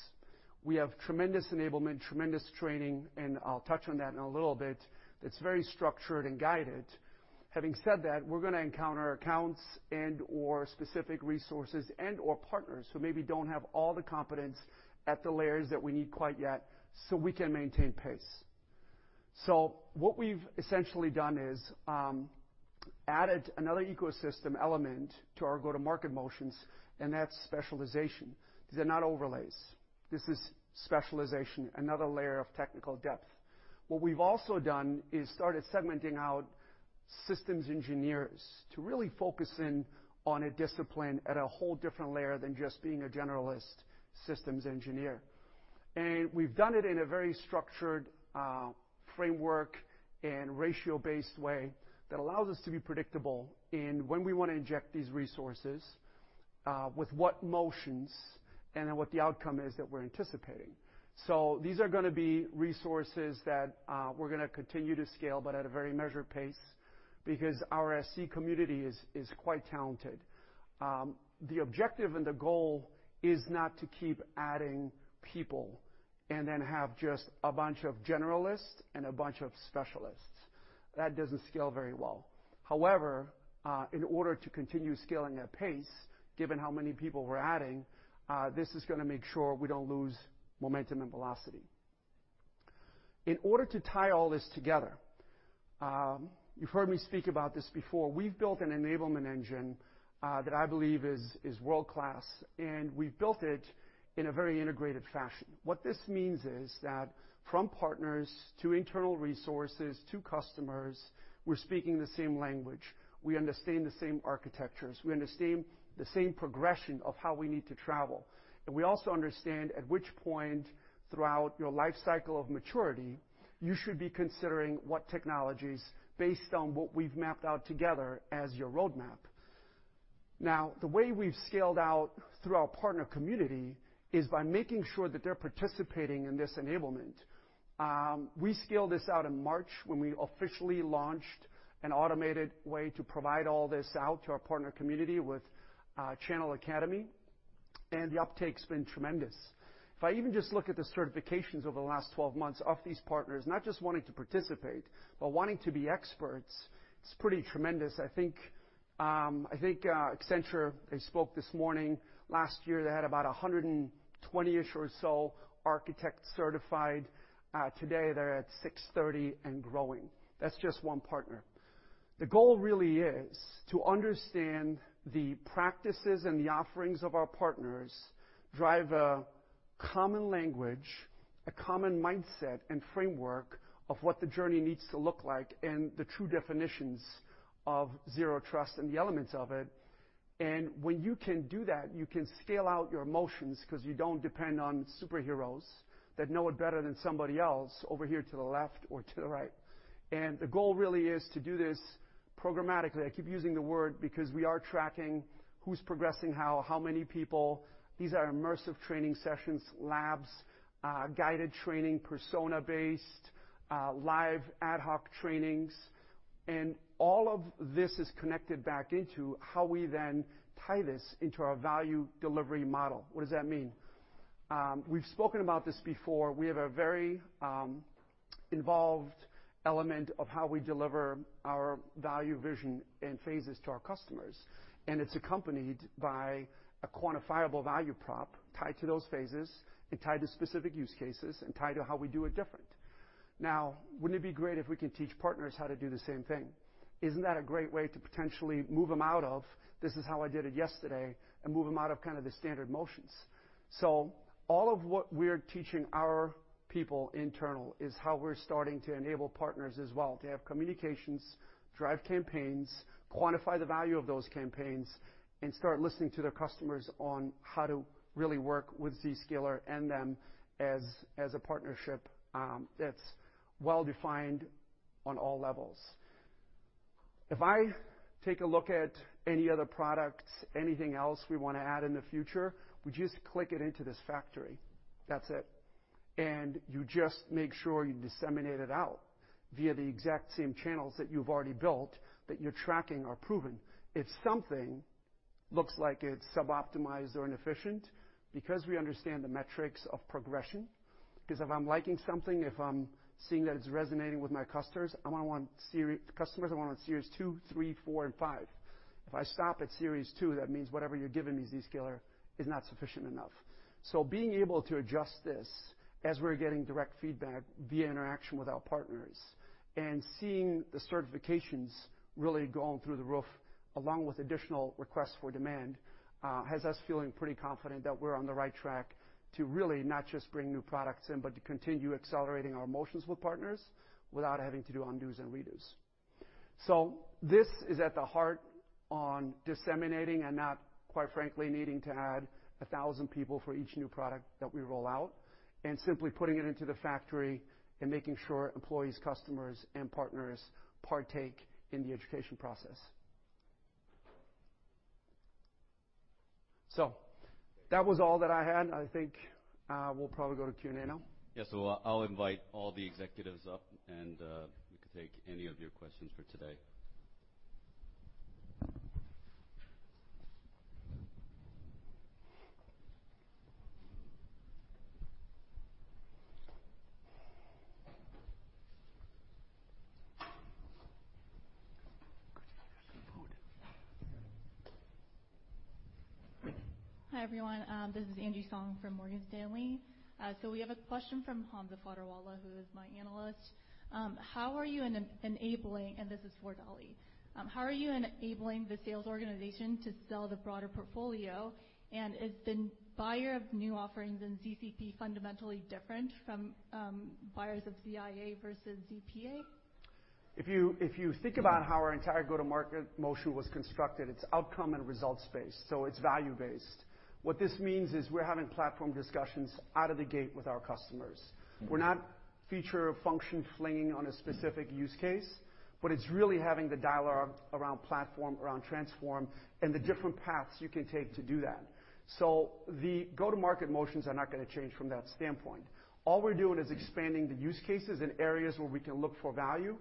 We have tremendous enablement, tremendous training, and I'll touch on that in a little bit. It's very structured and guided. Having said that, we're gonna encounter accounts and/or specific resources and/or partners who maybe don't have all the competence at the layers that we need quite yet, so we can maintain pace. What we've essentially done is added another ecosystem element to our go-to-market motions, and that's specialization. These are not overlays. This is specialization, another layer of technical depth. What we've also done is started segmenting out systems engineers to really focus in on a discipline at a whole different layer than just being a generalist systems engineer. We've done it in a very structured framework and ratio-based way that allows us to be predictable in when we wanna inject these resources with what motions and what the outcome is that we're anticipating. These are gonna be resources that we're gonna continue to scale but at a very measured pace because our SC community is quite talented. The objective and the goal is not to keep adding people and then have just a bunch of generalists and a bunch of specialists. That doesn't scale very well. However, in order to continue scaling at pace, given how many people we're adding, this is gonna make sure we don't lose momentum and velocity. In order to tie all this together, you've heard me speak about this before. We've built an enablement engine, that I believe is world-class, and we've built it in a very integrated fashion. What this means is that from partners to internal resources to customers, we're speaking the same language. We understand the same architectures. We understand the same progression of how we need to travel. And we also understand at which point throughout your life cycle of maturity you should be considering what technologies based on what we've mapped out together as your roadmap. Now, the way we've scaled out through our partner community is by making sure that they're participating in this enablement. We scaled this out in March when we officially launched an automated way to provide all this out to our partner community with Channel Academy, and the uptake's been tremendous. If I even just look at the certifications over the last 12 months of these partners, not just wanting to participate, but wanting to be experts, it's pretty tremendous. I think Accenture, they spoke this morning. Last year, they had about 120-ish or so architects certified. Today, they're at 630 and growing. That's just one partner. The goal really is to understand the practices and the offerings of our partners, drive a common language, a common mindset and framework of what the journey needs to look like, and the true definitions of Zero Trust and the elements of it. When you can do that, you can scale out your motions 'cause you don't depend on superheroes that know it better than somebody else over here to the left or to the right. The goal really is to do this programmatically. I keep using the word because we are tracking who's progressing how many people. These are immersive training sessions, labs, guided training, persona-based, live ad hoc trainings, and all of this is connected back into how we then tie this into our value delivery model. What does that mean? We've spoken about this before. We have a very involved element of how we deliver our value vision in phases to our customers, and it's accompanied by a quantifiable value prop tied to those phases and tied to specific use cases and tied to how we do it different. Now, wouldn't it be great if we could teach partners how to do the same thing? Isn't that a great way to potentially move them out of, "This is how I did it yesterday," and move them out of kind of the standard motions? All of what we're teaching our people internal is how we're starting to enable partners as well to have communications, drive campaigns, quantify the value of those campaigns, and start listening to their customers on how to really work with Zscaler and them as a partnership, that's well-defined on all levels. If I take a look at any other products, anything else we wanna add in the future, we just click it into this factory. That's it. You just make sure you disseminate it out via the exact same channels that you've already built, that you're tracking or proven. If something looks like it's sub-optimized or inefficient because we understand the metrics of progression. If I'm liking something, if I'm seeing that it's resonating with my customers, I'm gonna want series two, three, four and five. If I stop at series two, that means whatever you're giving me, Zscaler, is not sufficient enough. Being able to adjust this as we're getting direct feedback via interaction with our partners and seeing the certifications really going through the roof, along with additional requests for demand, has us feeling pretty confident that we're on the right track to really not just bring new products in, but to continue accelerating our motions with partners without having to do undos and redos. This is at the heart on disseminating and not, quite frankly, needing to add 1,000 people for each new product that we roll out. Simply putting it into the factory and making sure employees, customers, and partners partake in the education process. That was all that I had. I think we'll probably go to Q&A now. Yes. I'll invite all the executives up and we can take any of your questions for today. Hi, everyone, this is Sanjit Singh from Morgan Stanley. We have a question from Hamza Fodderwala, who is my analyst. This is for Dali Rajic. How are you enabling the sales organization to sell the broader portfolio? And is the buyer of new offerings in ZCP fundamentally different from buyers of ZIA versus ZPA? If you think about how our entire go-to-market motion was constructed, it's outcome and results based, so it's value-based. What this means is we're having platform discussions out of the gate with our customers. We're not feature function flinging on a specific use case, but it's really having the dialogue around platform, around transform, and the different paths you can take to do that. The go-to-market motions are not gonna change from that standpoint. All we're doing is expanding the use cases in areas where we can look for value,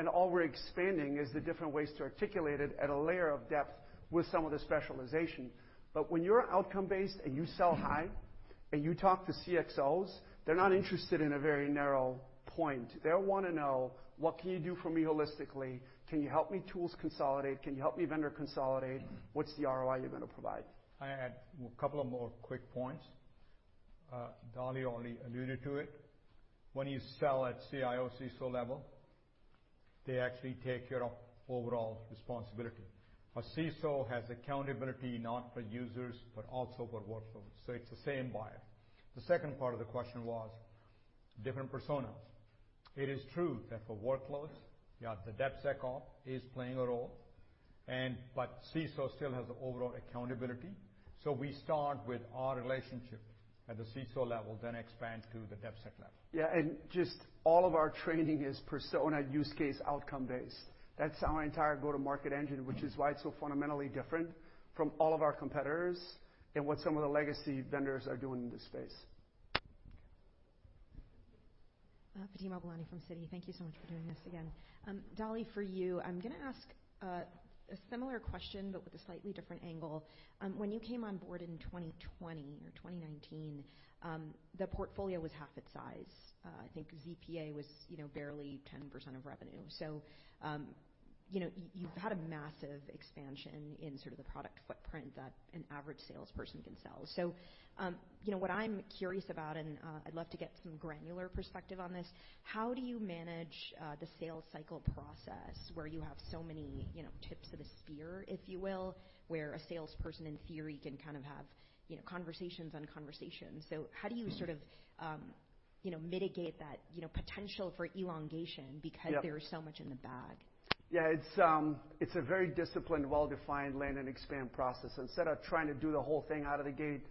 and all we're expanding is the different ways to articulate it at a layer of depth with some of the specialization. When you're outcome based and you sell high and you talk to CXOs, they're not interested in a very narrow point. They'll wanna know, what can you do for me holistically? Can you help me tools consolidate? Can you help me vendor consolidate? What's the ROI you're gonna provide? I add a couple of more quick points. Dali already alluded to it. When you sell at CIO/CISO level, they actually take care of overall responsibility. A CISO has accountability not for users, but also for workflows, so it's the same buyer. The second part of the question was different personas. It is true that for workloads, the DevSecOps is playing a role, but CISO still has the overall accountability. We start with our relationship at the CISO level, then expand to the DevSec level. Yeah, just all of our training is persona use case outcome based. That's our entire go-to-market engine, which is why it's so fundamentally different from all of our competitors and what some of the legacy vendors are doing in this space. Fatima Boolani from Citi. Thank you so much for doing this again. Dali, for you, I'm gonna ask a similar question, but with a slightly different angle. When you came on board in 2020 or 2019, the portfolio was half its size. I think ZPA was, you know, barely 10% of revenue. You know, you've had a massive expansion in sort of the product footprint that an average salesperson can sell. You know, what I'm curious about, and I'd love to get some granular perspective on this, how do you manage the sales cycle process where you have so many, you know, tips of the spear, if you will, where a salesperson in theory can kind of have, you know, conversations on conversations? How do you sort of, you know, mitigate that, you know, potential for elongation because Yeah. There is so much in the bag? Yeah, it's a very disciplined, well-defined land and expand process. Instead of trying to do the whole thing out of the gate,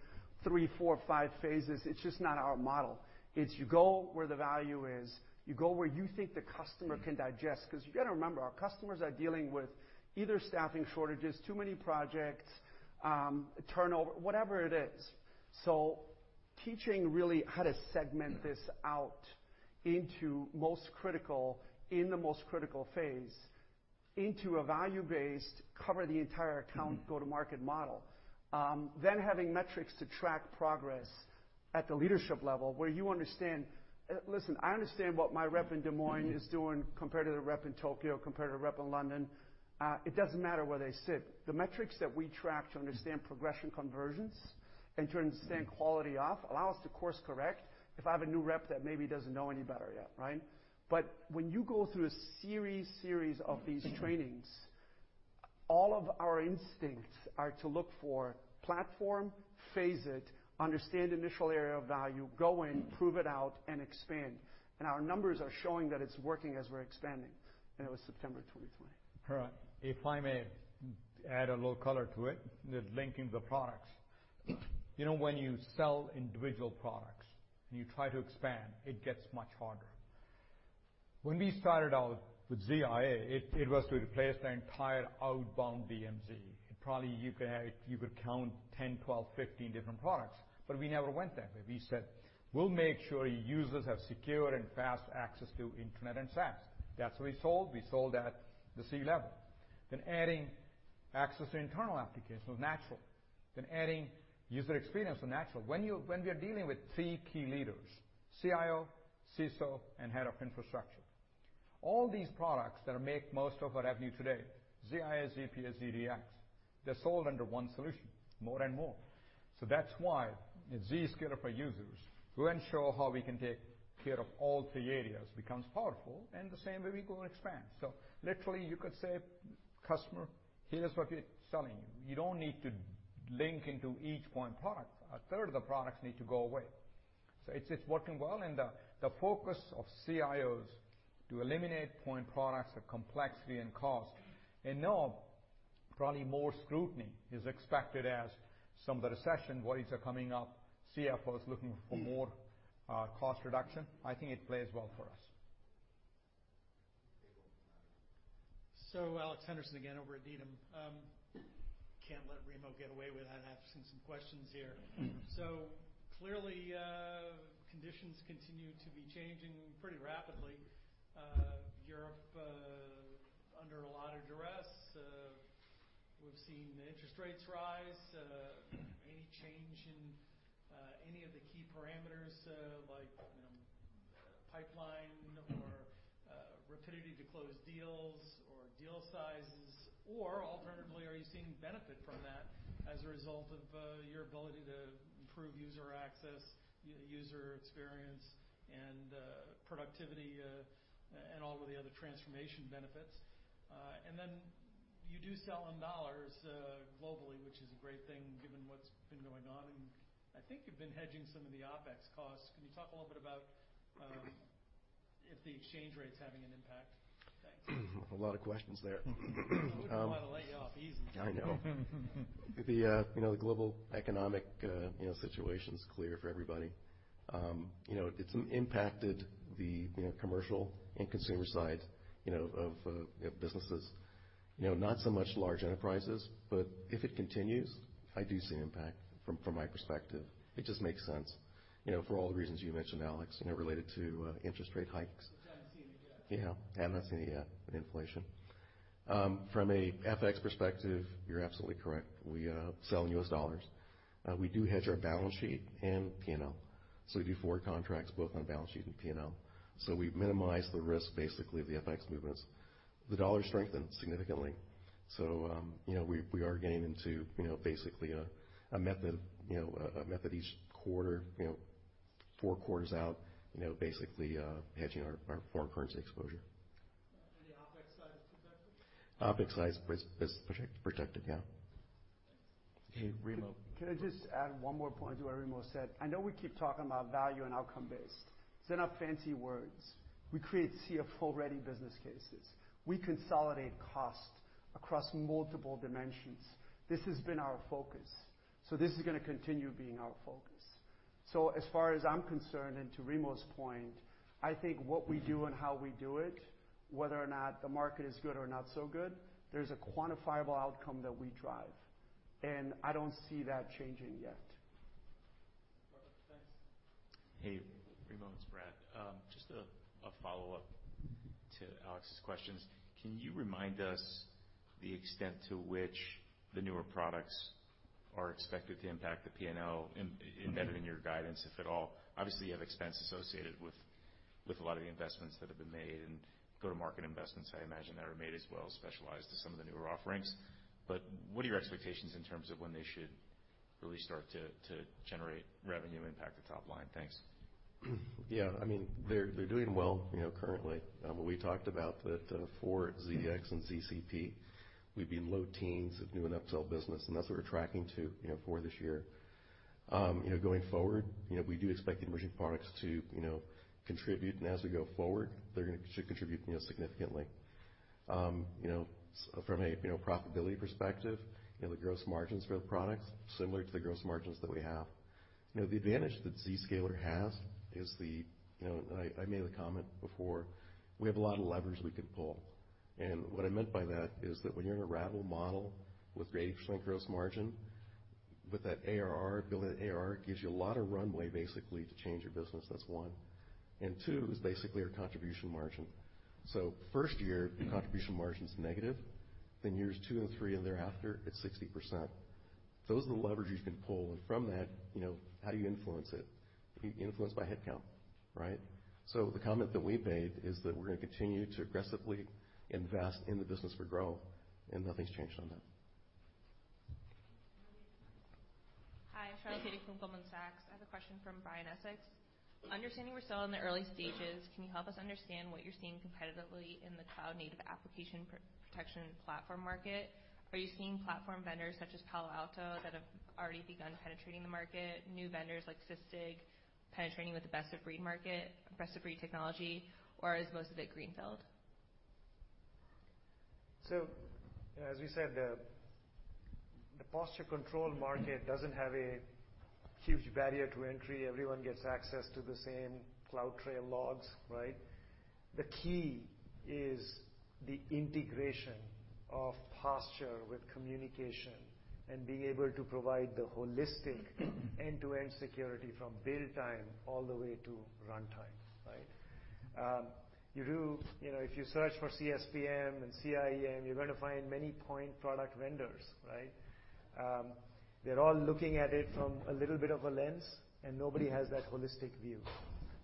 three, four, five phases, it's just not our model. It's you go where the value is. You go where you think the customer can digest. 'Cause you gotta remember, our customers are dealing with either staffing shortages, too many projects, turnover, whatever it is. So teaching really how to segment this out into most critical in the most critical phase into a value-based cover the entire account go-to-market model. Then having metrics to track progress at the leadership level where you understand. Listen, I understand what my rep in Des Moines is doing compared to the rep in Tokyo compared to the rep in London. It doesn't matter where they sit. The metrics that we track to understand progression, conversions, and quality of leads allow us to course correct if I have a new rep that maybe doesn't know any better yet, right? When you go through a series of these trainings, all of our instincts are to look for platform, phase it, understand initial area of value, go in, prove it out, and expand. Our numbers are showing that it's working as we're expanding, and it was September 2020. If I may add a little color to it, the linking the products. You know, when you sell individual products and you try to expand, it gets much harder. When we started out with ZIA, it was to replace the entire outbound DMZ, and probably you could count 10, 12, 15 different products, but we never went there. We said, "We'll make sure users have secure and fast access to internet and SaaS." That's what we sold. We sold at the C-level. Then adding Access to internal applications was natural. Adding user experience was natural. When we are dealing with three key leaders, CIO, CISO, and head of infrastructure, all these products that make most of our revenue today, ZIA, ZPA, ZDX, they're sold under one solution more and more. That's why Zscaler for Users will ensure how we can take care of all three areas, becomes powerful, and the same way we go and expand. Literally, you could say, "Customer, here's what we're selling you. You don't need to link into each point product." A third of the products need to go away. It's working well, and the focus of CIOs to eliminate point products, the complexity, and cost, and now probably more scrutiny is expected as some of the recession worries are coming up, CFOs looking for more, cost reduction. I think it plays well for us. Alex Henderson again over at Needham. Can't let Remo get away without asking some questions here. Clearly, conditions continue to be changing pretty rapidly. Europe under a lot of duress. We've seen interest rates rise. Any change in any of the key parameters like pipeline or rapidity to close deals or deal sizes? Or alternatively, are you seeing benefit from that as a result of your ability to improve user access, user experience, and productivity and all of the other transformation benefits? And then you do sell in dollars globally, which is a great thing given what's been going on, and I think you've been hedging some of the OpEx costs. Can you talk a little bit about if the exchange rate's having an impact? Thanks. A lot of questions there. We wouldn't wanna let you off easy. I know. The you know, the global economic you know, situation's clear for everybody. You know, it's impacted the you know, commercial and consumer side you know, of you know, businesses. You know, not so much large enterprises, but if it continues, I do see an impact from my perspective. It just makes sense you know, for all the reasons you mentioned, Alex you know, related to interest rate hikes. You haven't seen it yet. Yeah, have not seen it yet with inflation. From a FX perspective, you're absolutely correct. We sell in U.S. dollars. We do hedge our balance sheet and P&L. We do forward contracts both on balance sheet and P&L. We minimize the risk, basically, of the FX movements. The dollar strengthened significantly. We are getting into, you know, basically a method each quarter, you know, four quarters out, you know, basically, hedging our foreign currency exposure. The OpEx side is protected? OpEx side is protected, yeah. Hey, Remo. Can I just add one more point to what Remo said? I know we keep talking about value and outcome-based. It's enough fancy words. We create CFO-ready business cases. We consolidate cost across multiple dimensions. This has been our focus, so this is gonna continue being our focus. As far as I'm concerned, and to Remo's point, I think what we do and how we do it, whether or not the market is good or not so good, there's a quantifiable outcome that we drive, and I don't see that changing yet. Hey, Remo, it's Brad. Just a follow-up to Alex's questions. Can you remind us the extent to which the newer products are expected to impact the P&L embedded in your guidance, if at all? Obviously, you have expenses associated with a lot of the investments that have been made, and go-to-market investments I imagine that are made as well, specialized to some of the newer offerings. What are your expectations in terms of when they should really start to generate revenue, impact the top line? Thanks. Yeah. I mean, they're doing well, you know, currently. What we talked about that, for ZX and ZCP, we'd be in low teens% of new and upsell business, and that's what we're tracking to, you know, for this year. Going forward, you know, we do expect the emerging products to, you know, contribute, and as we go forward, they should contribute, you know, significantly. From a profitability perspective, you know, the gross margins for the products, similar to the gross margins that we have. You know, the advantage that Zscaler has is the, you know. I made the comment before, we have a lot of levers we can pull, and what I meant by that is that when you're in a recurring model with great gross margin, with that ARR, building that ARR, it gives you a lot of runway, basically, to change your business. That's one. Two is basically our contribution margin. First year, contribution margin's negative, then years two and three and thereafter, it's 60%. Those are the levers you can pull, and from that, you know, how do you influence it? You influence by headcount, right? The comment that we made is that we're gonna continue to aggressively invest in the business for growth, and nothing's changed on that. Hi, Charlotte Katie from Goldman Sachs. I have a question from Brian Essex. Understanding we're still in the early stages, can you help us understand what you're seeing competitively in the cloud-native application protection platform market? Are you seeing platform vendors such as Palo Alto that have already begun penetrating the market, new vendors like Sysdig penetrating with the best-of-breed market, best-of-breed technology, or is most of it greenfield? As we said, the Posture Control market doesn't have a huge barrier to entry. Everyone gets access to the same CloudTrail logs, right? The key is the integration of Posture with communication and being able to provide the holistic end-to-end security from build time all the way to runtime, right? You do, you know, if you search for CSPM and CIEM, you're gonna find many point product vendors, right? They're all looking at it from a little bit of a lens, and nobody has that holistic view.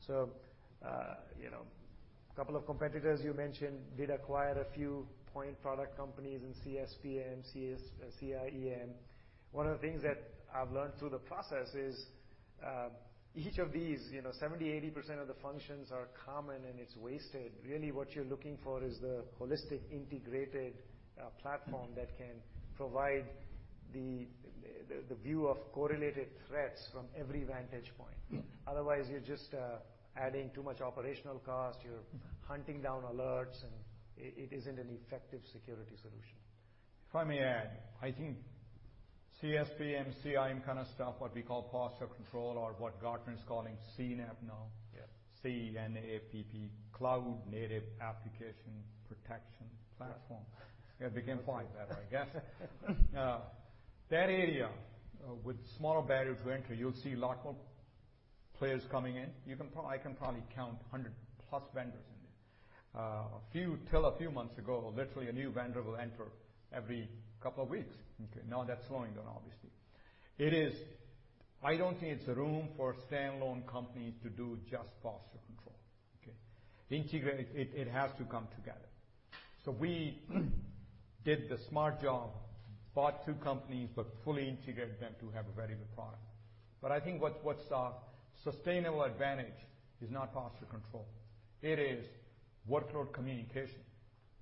You know, a couple of competitors you mentioned did acquire a few point product companies in CSPM, CIEM. One of the things that I've learned through the process is, each of these, you know, 70%-80% of the functions are common, and it's wasted. Really what you're looking for is the holistic integrated platform that can provide the view of correlated threats from every vantage point. Otherwise, you're just adding too much operational cost, you're hunting down alerts, and it isn't an effective security solution. If I may add, I think CSPM, CIEM kind of stuff, what we call Posture Control or what Gartner's calling CNAPP now. Yes. CNAPP, Cloud Native Application Protection Platform. They became quite clever, I guess. Now, that area, with smaller barriers to entry, you'll see a lot more players coming in. I can probably count 100+ vendors in there. Till a few months ago, literally a new vendor will enter every couple of weeks, okay? Now that's slowing down, obviously. I don't think it's room for standalone companies to do just posture control, okay? It has to come together. We did the smart job, bought two companies, but fully integrated them to have a very good product. I think what's our sustainable advantage is not posture control. It is workload communication,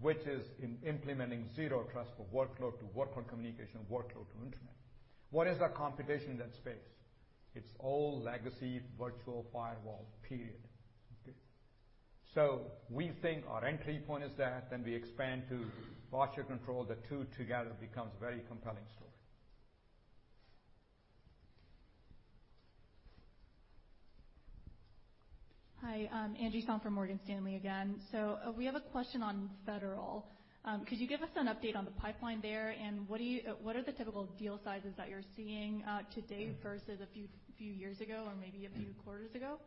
which is implementing Zero Trust for workload-to-workload communication, workload to internet. What is the competition in that space? It's all legacy virtual firewall, period, okay? We think our entry point is that, then we expand to Posture Control. The two together becomes very compelling story. Hi, Sanjit Singh from Morgan Stanley again. We have a question on federal. Could you give us an update on the pipeline there? What are the typical deal sizes that you're seeing to date versus a few years ago or maybe a few quarters ago?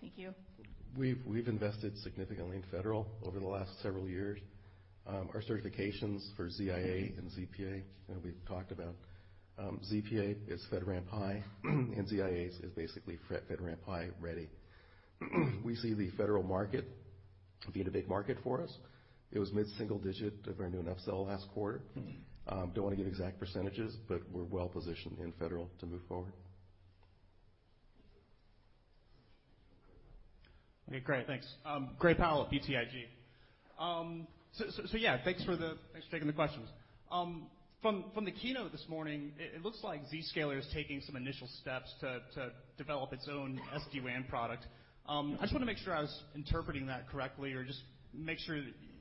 Thank you. We've invested significantly in federal over the last several years. Our certifications for ZIA and ZPA, you know, we've talked about. ZPA is FedRAMP High, and ZIA is basically FedRAMP High ready. We see the federal market being a big market for us. It was mid-single-digit% of our new ACV sales last quarter. Don't wanna give exact percentages, but we're well positioned in federal to move forward. Okay, great. Thanks. Gray Powell, BTIG. So, yeah, thanks for taking the questions. From the keynote this morning, it looks like Zscaler is taking some initial steps to develop its own SD-WAN product. I just wanna make sure I was interpreting that correctly or just make sure,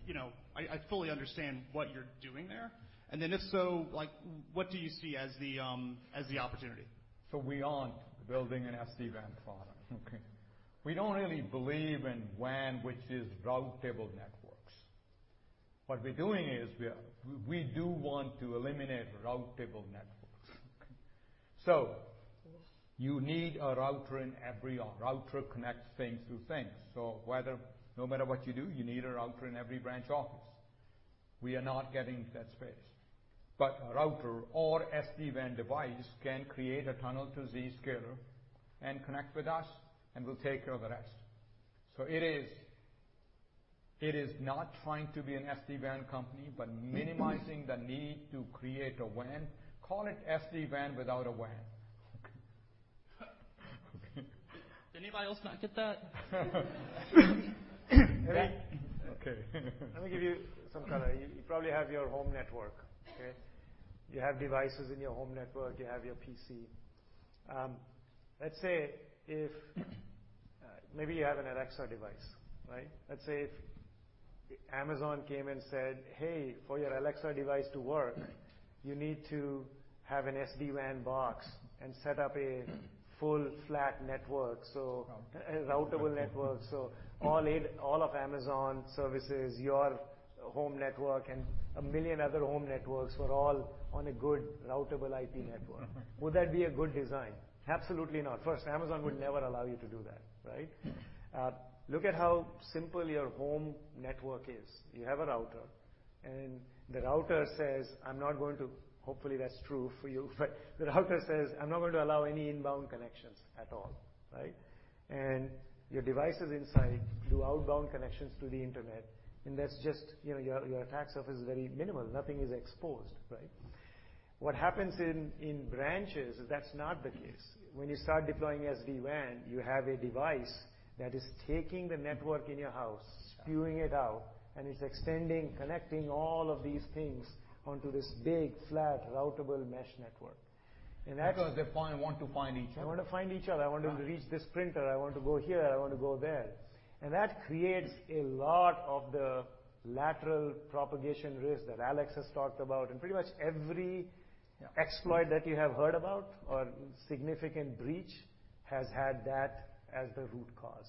you know, I fully understand what you're doing there. If so, like, what do you see as the opportunity? We aren't building an SD-WAN product, okay? We don't really believe in WAN, which is routable networks. What we're doing is we do want to eliminate routable networks, okay? You need a router in every branch office. A router connects things to things. No matter what you do, you need a router in every branch office. We are not getting that space. A router or SD-WAN device can create a tunnel to Zscaler and connect with us, and we'll take care of the rest. It is not trying to be an SD-WAN company, but minimizing the need to create a WAN. Call it SD-WAN without a WAN. Did anybody else not get that? Okay. Let me give you some color. You probably have your home network, okay? You have devices in your home network. You have your PC. Let's say if maybe you have an Alexa device, right? Let's say if Amazon came and said, "Hey, for your Alexa device to work, you need to have an SD-WAN box and set up a full flat network. A routable network, so all of Amazon's services, your home network, and 1 million other home networks are all on a good routable IP network. Would that be a good design? Absolutely not. First, Amazon would never allow you to do that, right? Look at how simple your home network is. You have a router, and the router says, "I'm not going to allow any inbound connections at all." Hopefully, that's true for you, right? Your devices inside do outbound connections to the internet, and that's just, you know, your attack surface is very minimal. Nothing is exposed, right? What happens in branches is that's not the case. When you start deploying SD-WAN, you have a device that is taking the network in your house, spewing it out, and it's extending, connecting all of these things onto this big, flat, routable mesh network. Because they want to find each other. They want to find each other. I want to reach this printer. I want to go here. I want to go there. That creates a lot of the lateral propagation risk that Alex has talked about, and pretty much every exploit that you have heard about or significant breach has had that as the root cause.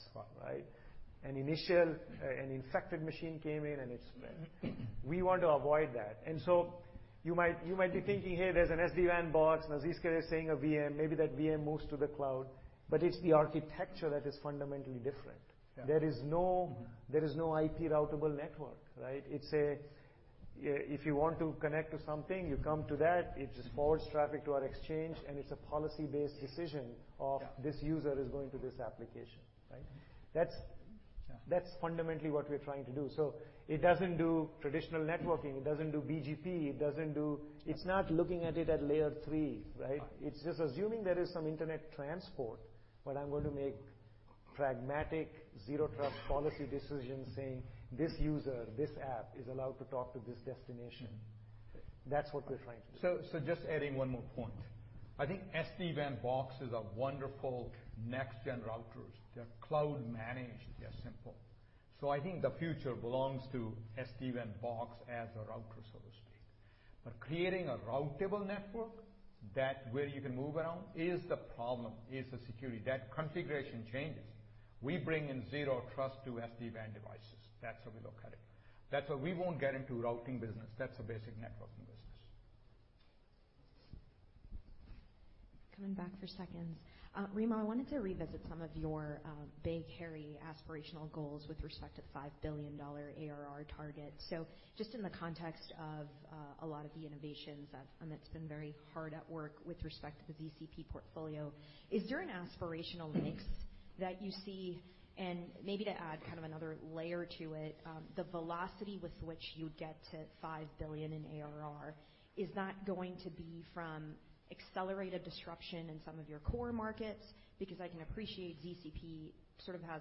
An infected machine came in, and it spread. We want to avoid that. You might be thinking here there's an SD-WAN box. Now Zscaler is saying a VM. Maybe that VM moves to the cloud, but it's the architecture that is fundamentally different. There is no IP routable network, right? It's a yeah, if you want to connect to something, you come to that, it just forwards traffic to our exchange, and it's a policy-based decision of this user is going to this application, right? That's fundamentally what we're trying to do. It doesn't do traditional networking, it doesn't do BGP, it doesn't do. It's not looking at it at Layer 3, right? It's just assuming there is some internet transport, but I'm going to make pragmatic Zero Trust policy decisions saying, "This user, this app is allowed to talk to this destination." That's what we're trying to do. Just adding one more point. I think SD-WAN boxes are wonderful next-gen routers. They're cloud managed, they're simple. I think the future belongs to SD-WAN box as a router, so to speak. Creating a route table network that where you can move around is the problem, is the security. That configuration changes. We bring in Zero Trust to SD-WAN devices. That's how we look at it. That's why we won't get into routing business. That's a basic networking business. Coming back for seconds. Remo, I wanted to revisit some of your big, hairy, aspirational goals with respect to $5 billion ARR target. Just in the context of a lot of the innovations that Amit's been very hard at work with respect to the ZCP portfolio, is there an aspirational mix that you see? Maybe to add kind of another layer to it, the velocity with which you get to $5 billion in ARR, is that going to be from accelerated disruption in some of your core markets? Because I can appreciate ZCP sort of has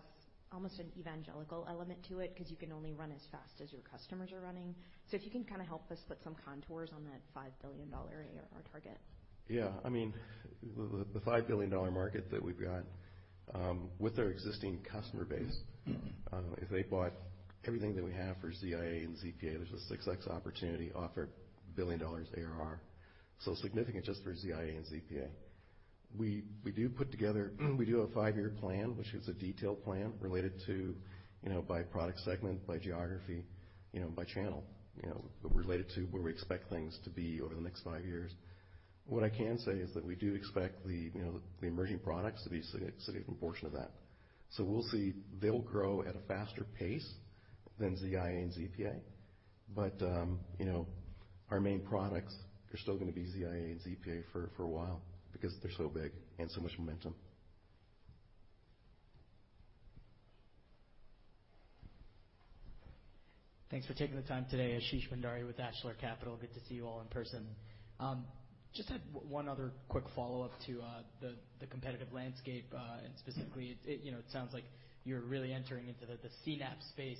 almost an evangelical element to it 'cause you can only run as fast as your customers are running. If you can kinda help us put some contours on that $5 billion ARR target. Yeah. I mean, the $5 billion market that we've got with our existing customer base. If they bought everything that we have for ZIA and ZPA, there's a significant opportunity of our $1 billion ARR, significant just for ZIA and ZPA. We put together a five-year plan, which is a detailed plan related to, you know, by product segment, by geography, you know, by channel. You know, related to where we expect things to be over the next five years. What I can say is that we expect you know, the emerging products to be a significant portion of that. We'll see. They'll grow at a faster pace than ZIA and ZPA. You know, our main products are still gonna be ZIA and ZPA for a while because they're so big and so much momentum. Thanks for taking the time today. Ashish Bhandari with Ashlar Capital. Good to see you all in person. Just had one other quick follow-up to the competitive landscape, and specifically, you know, it sounds like you're really entering into the CNAPP space,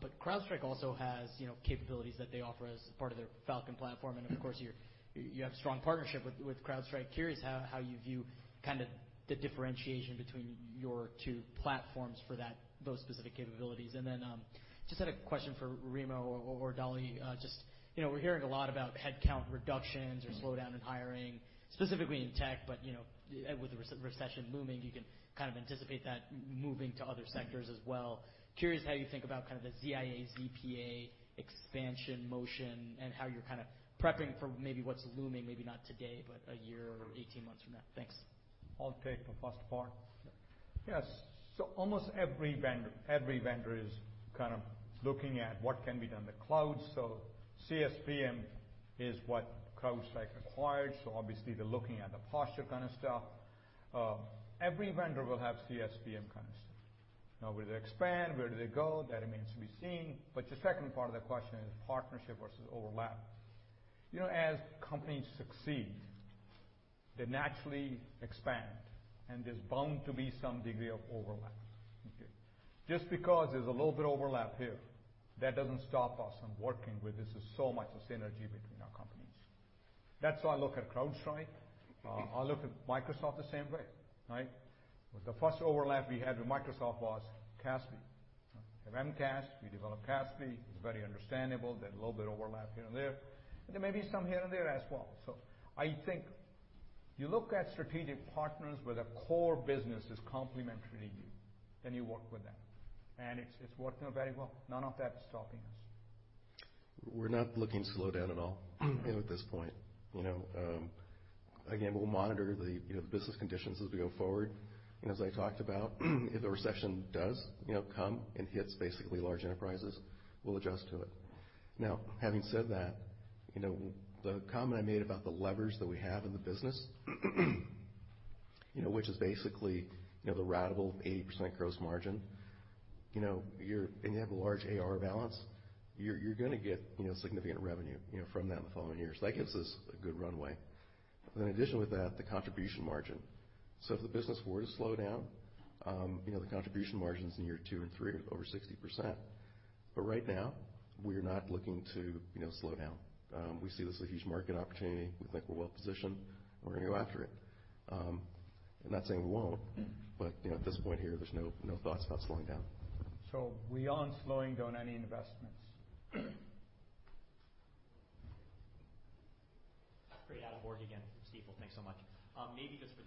but CrowdStrike also has, you know, capabilities that they offer as part of their Falcon platform. Of course, you have strong partnership with CrowdStrike. Curious how you view kinda the differentiation between your two platforms for those specific capabilities. Just had a question for Remo or Dali. Just, you know, we're hearing a lot about headcount reductions or slowdown in hiring, specifically in tech, but, you know, with the recession looming, you can kind of anticipate that moving to other sectors as well. Curious how you think about kind of the ZIA ZPA expansion motion and how you're kinda prepping for maybe what's looming, maybe not today, but a year or 18 months from now? Thanks. I'll take the first part. Yes. Almost every vendor is kind of looking at what can be done in the cloud. CSPM is what CrowdStrike acquired, so obviously they're looking at the posture kinda stuff. Every vendor will have CSPM kinda stuff. Now, where do they expand, where do they go? That remains to be seen. The second part of that question is partnership versus overlap. You know, as companies succeed, they naturally expand, and there's bound to be some degree of overlap. Okay. Just because there's a little bit of overlap here, that doesn't stop us from working with this. There's so much synergy between our companies. That's how I look at CrowdStrike. I look at Microsoft the same way, right? The first overlap we had with Microsoft was CASB. They have MCAS, we develop CASB. It's very understandable. There's a little bit overlap here and there, and there may be some here and there as well. I think you look at strategic partners where the core business is complementary to you, then you work with them. It's working very well. None of that is stopping us. We're not looking to slow down at all, you know, at this point. You know, again, we'll monitor the, you know, the business conditions as we go forward. As I talked about, if a recession does, you know, come and hits basically large enterprises, we'll adjust to it. Now, having said that, you know, the comment I made about the levers that we have in the business, you know, which is basically, you know, the ratable 80% gross margin. You know, and you have a large AR balance, you're gonna get, you know, significant revenue, you know, from that in the following years. That gives us a good runway. In addition with that, the contribution margin. If the business were to slow down, you know, the contribution margins in year two and three are over 60%. Right now, we are not looking to, you know, slow down. We see this as a huge market opportunity. We think we're well positioned, and we're gonna go after it. I'm not saying we won't, but, you know, at this point here, there's no thoughts about slowing down. We aren't slowing down any investments. Great. Adam Borg again from Stifel. Thanks so much. Maybe just for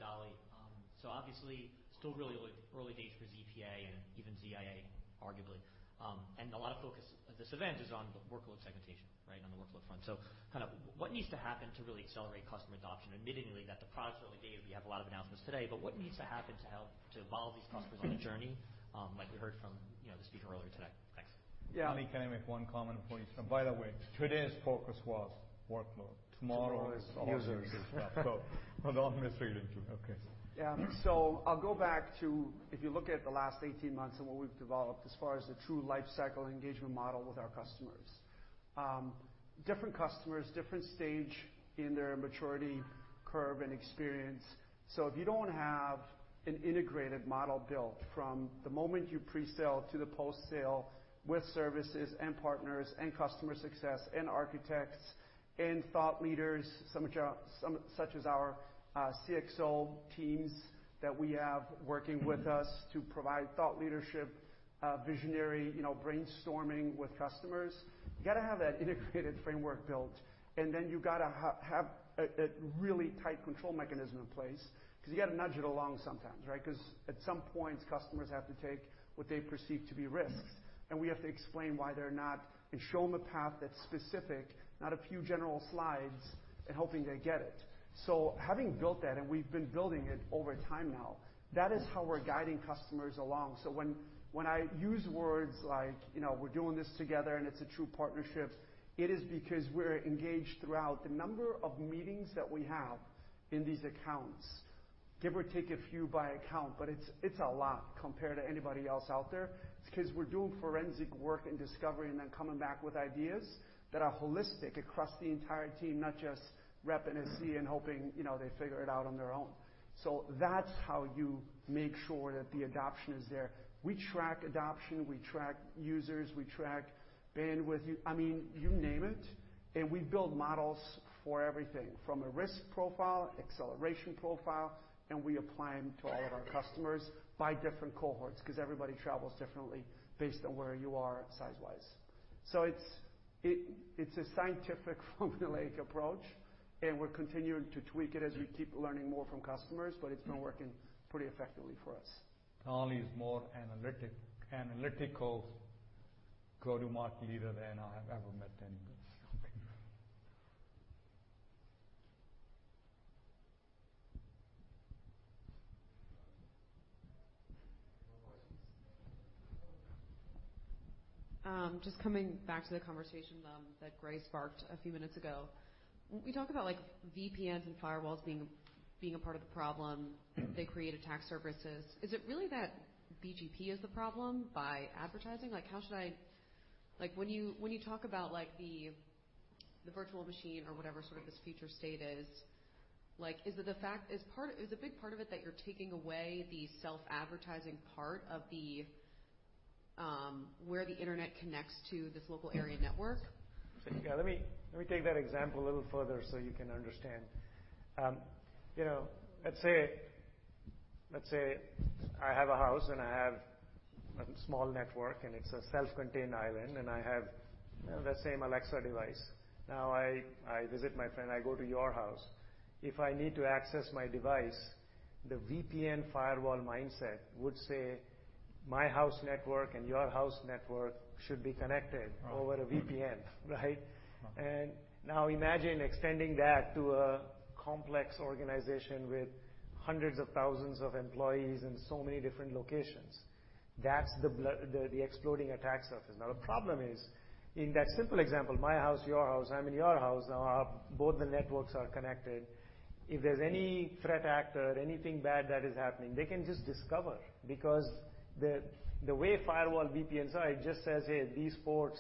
Dali. Obviously still really early days for ZPA and even ZIA, arguably. A lot of focus at this event is on the workload segmentation, right? Kind of what needs to happen to really accelerate customer adoption? Admittedly, that the products are only data. We have a lot of announcements today, but what needs to happen to help to evolve these customers on the journey, like we heard from, you know, the speaker earlier today? Thanks. Yeah. Can I make one comment for you? By the way, today's focus was workload. Tomorrow is. Users. I'll miss reading to you. Okay. Yeah. I'll go back to, if you look at the last 18 months and what we've developed as far as the true lifecycle engagement model with our customers. Different customers, different stage in their maturity curve and experience. If you don't have an integrated model built from the moment you presale to the post-sale with services and partners and customer success and architects and thought leaders, some of which are, some such as our CXO teams that we have working with us to provide thought leadership, visionary, you know, brainstorming with customers. You got to have that integrated framework built, and then you gotta have a really tight control mechanism in place 'cause you gotta nudge it along sometimes, right? 'Cause at some point, customers have to take what they perceive to be risks, and we have to explain why they're not, and show them a path that's specific, not a few general slides and hoping they get it. Having built that, and we've been building it over time now, that is how we're guiding customers along. When I use words like, you know, we're doing this together and it's a true partnership, it is because we're engaged throughout. The number of meetings that we have in these accounts, give or take a few by account, but it's a lot compared to anybody else out there. It's 'cause we're doing forensic work and discovery and then coming back with ideas that are holistic across the entire team, not just rep and a CE and hoping, you know, they figure it out on their own. That's how you make sure that the adoption is there. We track adoption, we track users, we track bandwidth. I mean, you name it, and we build models for everything from a risk profile, acceleration profile, and we apply them to all of our customers by different cohorts 'cause everybody travels differently based on where you are size-wise. It's a scientific formulaic approach, and we're continuing to tweak it as we keep learning more from customers, but it's been working pretty effectively for us. Tony is more analytical go-to-market leader than I have ever met any. Okay. Just coming back to the conversation that Gray sparked a few minutes ago. We talk about like VPNs and firewalls being a part of the problem. They create attack surfaces. Is it really that BGP is the problem by advertising? Like when you talk about like the virtual machine or whatever sort of this future state is, like, is a big part of it that you're taking away the self-advertising part of where the Internet connects to this local area network? Yeah, let me take that example a little further so you can understand. You know, let's say I have a house, and I have a small network, and it's a self-contained island, and I have the same Alexa device. Now, I visit my friend, I go to your house. If I need to access my device, the VPN firewall mindset would say, my house network and your house network should be connected over a VPN, right? Now imagine extending that to a complex organization with hundreds of thousands of employees in so many different locations. That's the exploding attack surface. Now, the problem is, in that simple example, my house, your house, I'm in your house. Now, both the networks are connected. If there's any threat actor, anything bad that is happening, they can just discover because the way firewall VPNs are, it just says, "Hey, these ports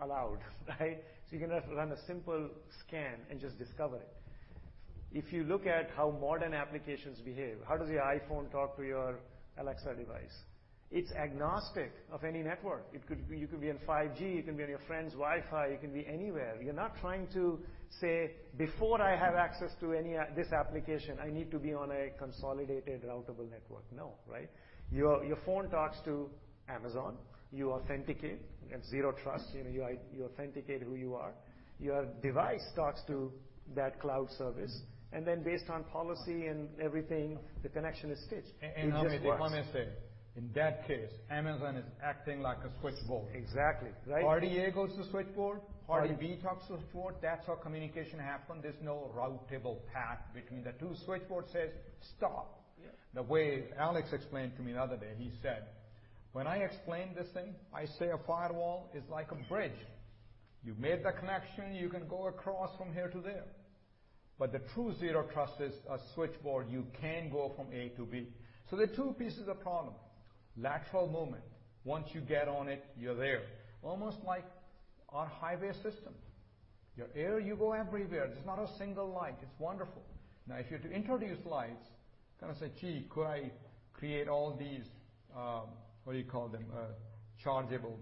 allowed." Right? You can just run a simple scan and just discover it. If you look at how modern applications behave, how does your iPhone talk to your Alexa device? It's agnostic of any network. It could be, you could be on 5G, you can be on your friend's Wi-Fi, you can be anywhere. You're not trying to say, "Before I have access to any this application, I need to be on a consolidated routable network." No. Right? Your phone talks to Amazon. You authenticate at Zero Trust. You know, you authenticate who you are. Your device talks to that cloud service, and then based on policy and everything, the connection is stitched. It just works. Let me say, in that case, Amazon is acting like a switchboard. Exactly. Right? Party A goes to switchboard, party B talks to switchboard. That's how communication happen. There's no routable path between the two. Switchboard says, "Stop. The way Alex explained to me the other day, he said, "When I explain this thing, I say a firewall is like a bridge. You made the connection, you can go across from here to there. But the true Zero Trust is a switchboard. You can go from A to B." There are two pieces of problem. Lateral movement. Once you get on it, you're there. Almost like our highway system. You're free, you go everywhere. There's not a single light. It's wonderful. Now, if you're to introduce lights, gonna say, "Gee, could I create all these, what do you call them? chargeable,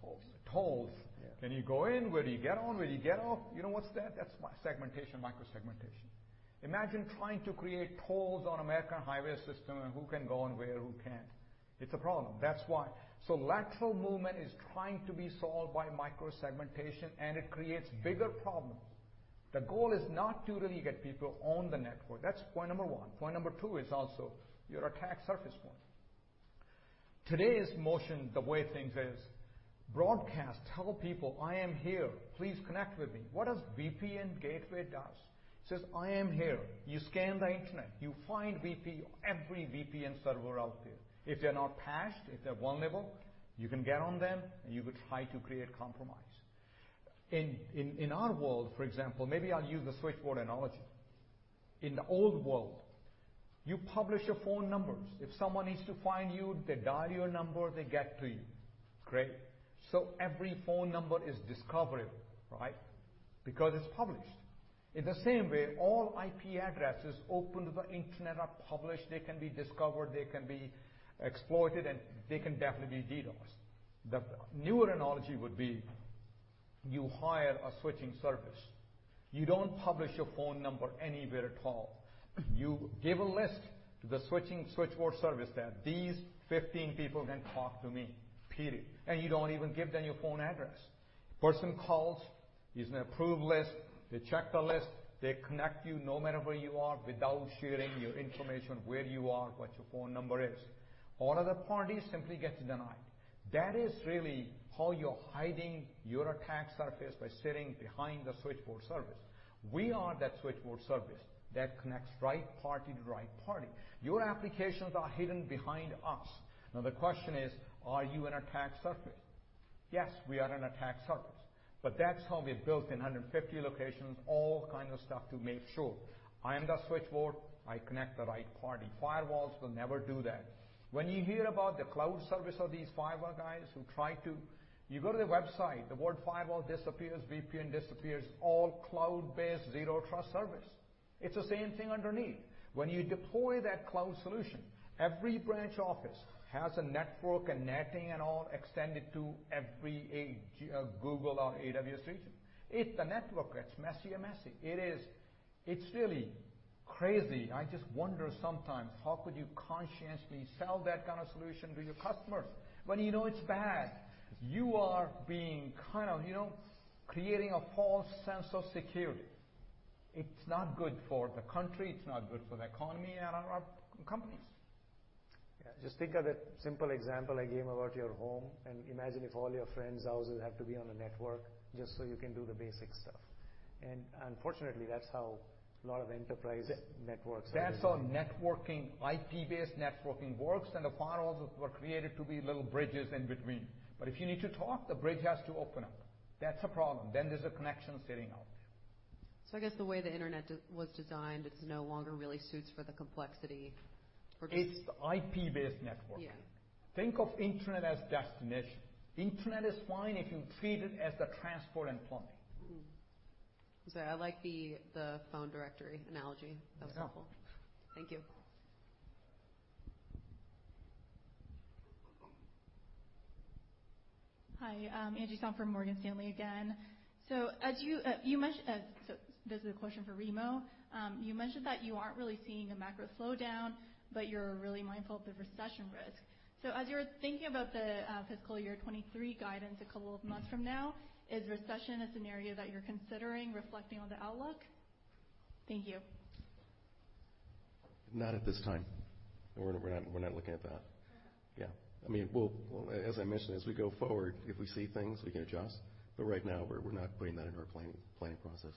Tolls. -tolls. Yeah. Can you go in? Where do you get on? Where do you get off? You know, what's that? That's my segmentation, microsegmentation. Imagine trying to create tolls on American highway system and who can go and where, who can't. It's a problem. That's why. Lateral movement is trying to be solved by microsegmentation, and it creates bigger problems. The goal is not to really get people on the network. That's point number one. Point number two is also your attack surface point. Today's motion, the way things is, broadcast, tell people, "I am here. Please connect with me." What does VPN gateway does? Says, "I am here." You scan the internet, you find VPN, every VPN server out there. If they're not patched, if they're vulnerable, you can get on them, and you could try to create compromise. In our world, for example, maybe I'll use the switchboard analogy. In the old world, you publish your phone numbers. If someone needs to find you, they dial your number, they get to you. Great. Every phone number is discoverable, right? Because it's published. In the same way, all IP addresses open to the internet are published. They can be discovered, they can be exploited, and they can definitely be DDoS'd. The newer analogy would be you hire a switching service. You don't publish your phone number anywhere at all. You give a list to the switchboard service that these 15 people can talk to me. You don't even give them your phone address. Person calls, if he's on the approved list, they check the list, they connect you no matter where you are without sharing your information, where you are, what your phone number is. All other parties simply get denied. That is really how you're hiding your attack surface by sitting behind the switchboard service. We are that switchboard service that connects right party to right party. Your applications are hidden behind us. Now, the question is, are you an attack surface? Yes, we are an attack surface, but that's how we built in 150 locations, all kind of stuff to make sure I am the switchboard, I connect the right party. Firewalls will never do that. When you hear about the cloud service of these firewall guys. You go to the website, the word firewall disappears, VPN disappears, all cloud-based, Zero Trust service. It's the same thing underneath. When you deploy that cloud solution, every branch office has a network and networking and all extended to every edge, Google or AWS region. If the network gets messy, it's really crazy. I just wonder sometimes, how could you conscientiously sell that kind of solution to your customers? When you know it's bad, you are being kind of, you know, creating a false sense of security. It's not good for the country, it's not good for the economy and our companies. Yeah. Just think of the simple example I gave about your home, and imagine if all your friends' houses have to be on a network just so you can do the basic stuff. Unfortunately, that's how a lot of enterprise networks are designed. That's how networking, IP-based networking works, and the firewalls were created to be little bridges in between. If you need to talk, the bridge has to open up. That's a problem. There's a connection sitting out there. I guess the way the internet was designed, it no longer really suits for the complexity we're doing. It's IP-based networking. Yeah. Think of Internet as destination. Internet is fine if you treat it as the transport and plumbing. I like the phone directory analogy. Yeah. That was helpful. Thank you. Hi, Sanjit Singh from Morgan Stanley again. This is a question for Remo. You mentioned that you aren't really seeing a macro slowdown, but you're really mindful of the recession risk. As you're thinking about the fiscal year 2023 guidance a couple of months from now, is recession a scenario that you're considering reflecting on the outlook? Thank you. Not at this time. We're not looking at that. Okay. Yeah. I mean, we'll, as I mentioned, as we go forward, if we see things, we can adjust. Right now we're not putting that into our planning process.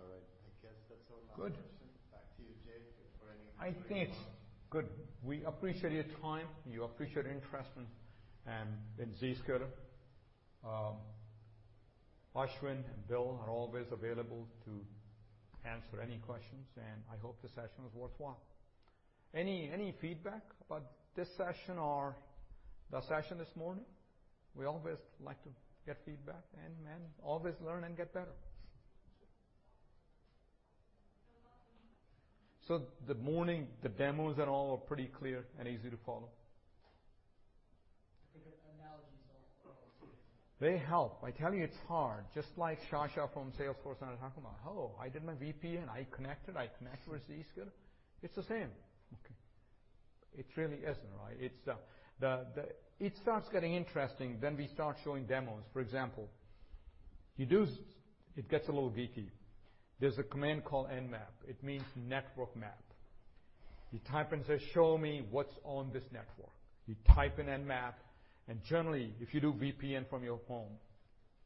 All right. I guess that's all my questions. Good. Back to you, Jay, for any concluding remarks. I think it's good. We appreciate your time. We appreciate your interest in Zscaler. Ashwin and Bill are always available to answer any questions, and I hope the session was worthwhile. Any feedback about this session or the session this morning? We always like to get feedback and then always learn and get better. The morning, the demos and all are pretty clear and easy to follow. They help. I tell you it's hard. Just like Sasha from Salesforce and I was talking about, "Hello, I did my VPN. I connected. I connect with Zscaler." It's the same. Okay. It really isn't, right? It's the. It starts getting interesting when we start showing demos. For example, it gets a little geeky. There's a command called Nmap. It means network map. You type and say, "Show me what's on this network." You type in Nmap, and generally, if you do VPN from your home,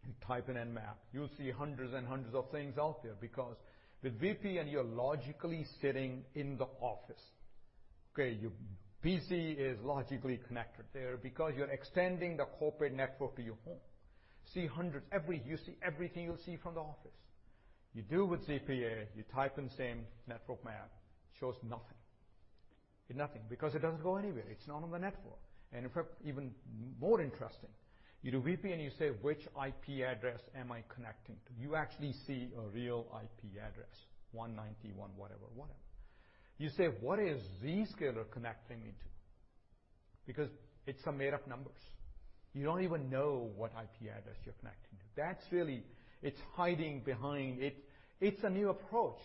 you type in Nmap, you'll see hundreds and hundreds of things out there because with VPN, you're logically sitting in the office, okay? Your PC is logically connected there because you're extending the corporate network to your home. You see everything you'll see from the office. You do with ZPA, you type in same network map, shows nothing. Nothing, because it doesn't go anywhere. It's not on the network. In fact, even more interesting, you do VPN, you say, "Which IP address am I connecting to?" You actually see a real IP address, 191 whatever whatever. You say, "What is Zscaler connecting me to?" Because it's some made-up numbers. You don't even know what IP address you're connecting to. That's really, it's hiding behind. It, it's a new approach.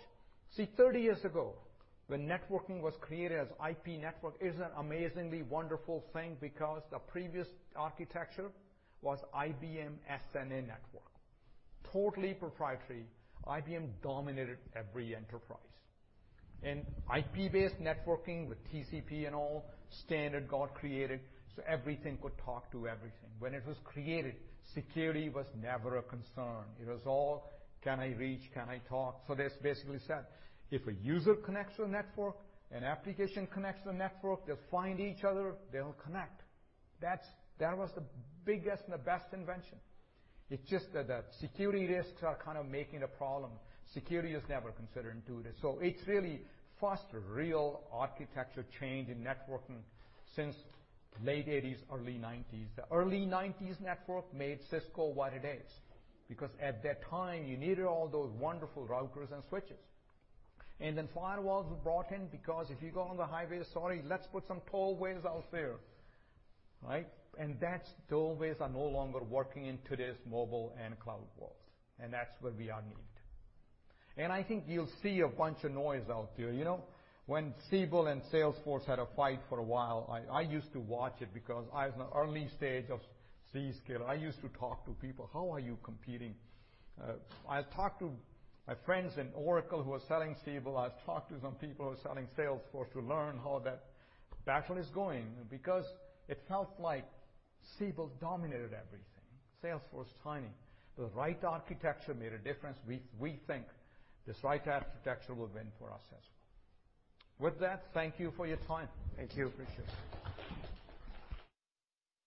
See, 30 years ago, when networking was created as IP network, it was an amazingly wonderful thing because the previous architecture was IBM SNA network. Totally proprietary. IBM dominated every enterprise. IP-based networking with TCP and all, standard got created, so everything could talk to everything. When it was created, security was never a concern. It was all, "Can I reach? Can I talk? This basically said, if a user connects to a network, an application connects to a network, they'll find each other, they'll connect. That was the biggest and the best invention. It's just that the security risks are kind of making a problem. Security is never considered into this. It's really fast, a real architecture change in networking since late 1980s, early 1990s. The early 1990s network made Cisco what it is, because at that time, you needed all those wonderful routers and switches. Then firewalls were brought in because if you go on the highway, sorry, let's put some tollways out there, right? The tollways are no longer working in today's mobile and cloud worlds, and that's where we are needed. I think you'll see a bunch of noise out there. You know, when Siebel and Salesforce had a fight for a while, I used to watch it because I was in the early stage of Zscaler. I used to talk to people, "How are you competing?" I talked to my friends in Oracle who are selling Siebel. I've talked to some people who are selling Salesforce to learn how that battle is going, because it felt like Siebel dominated everything. Salesforce, tiny. The right architecture made a difference. We think this right architecture will win for us as well. With that, thank you for your time. Thank you. Appreciate it.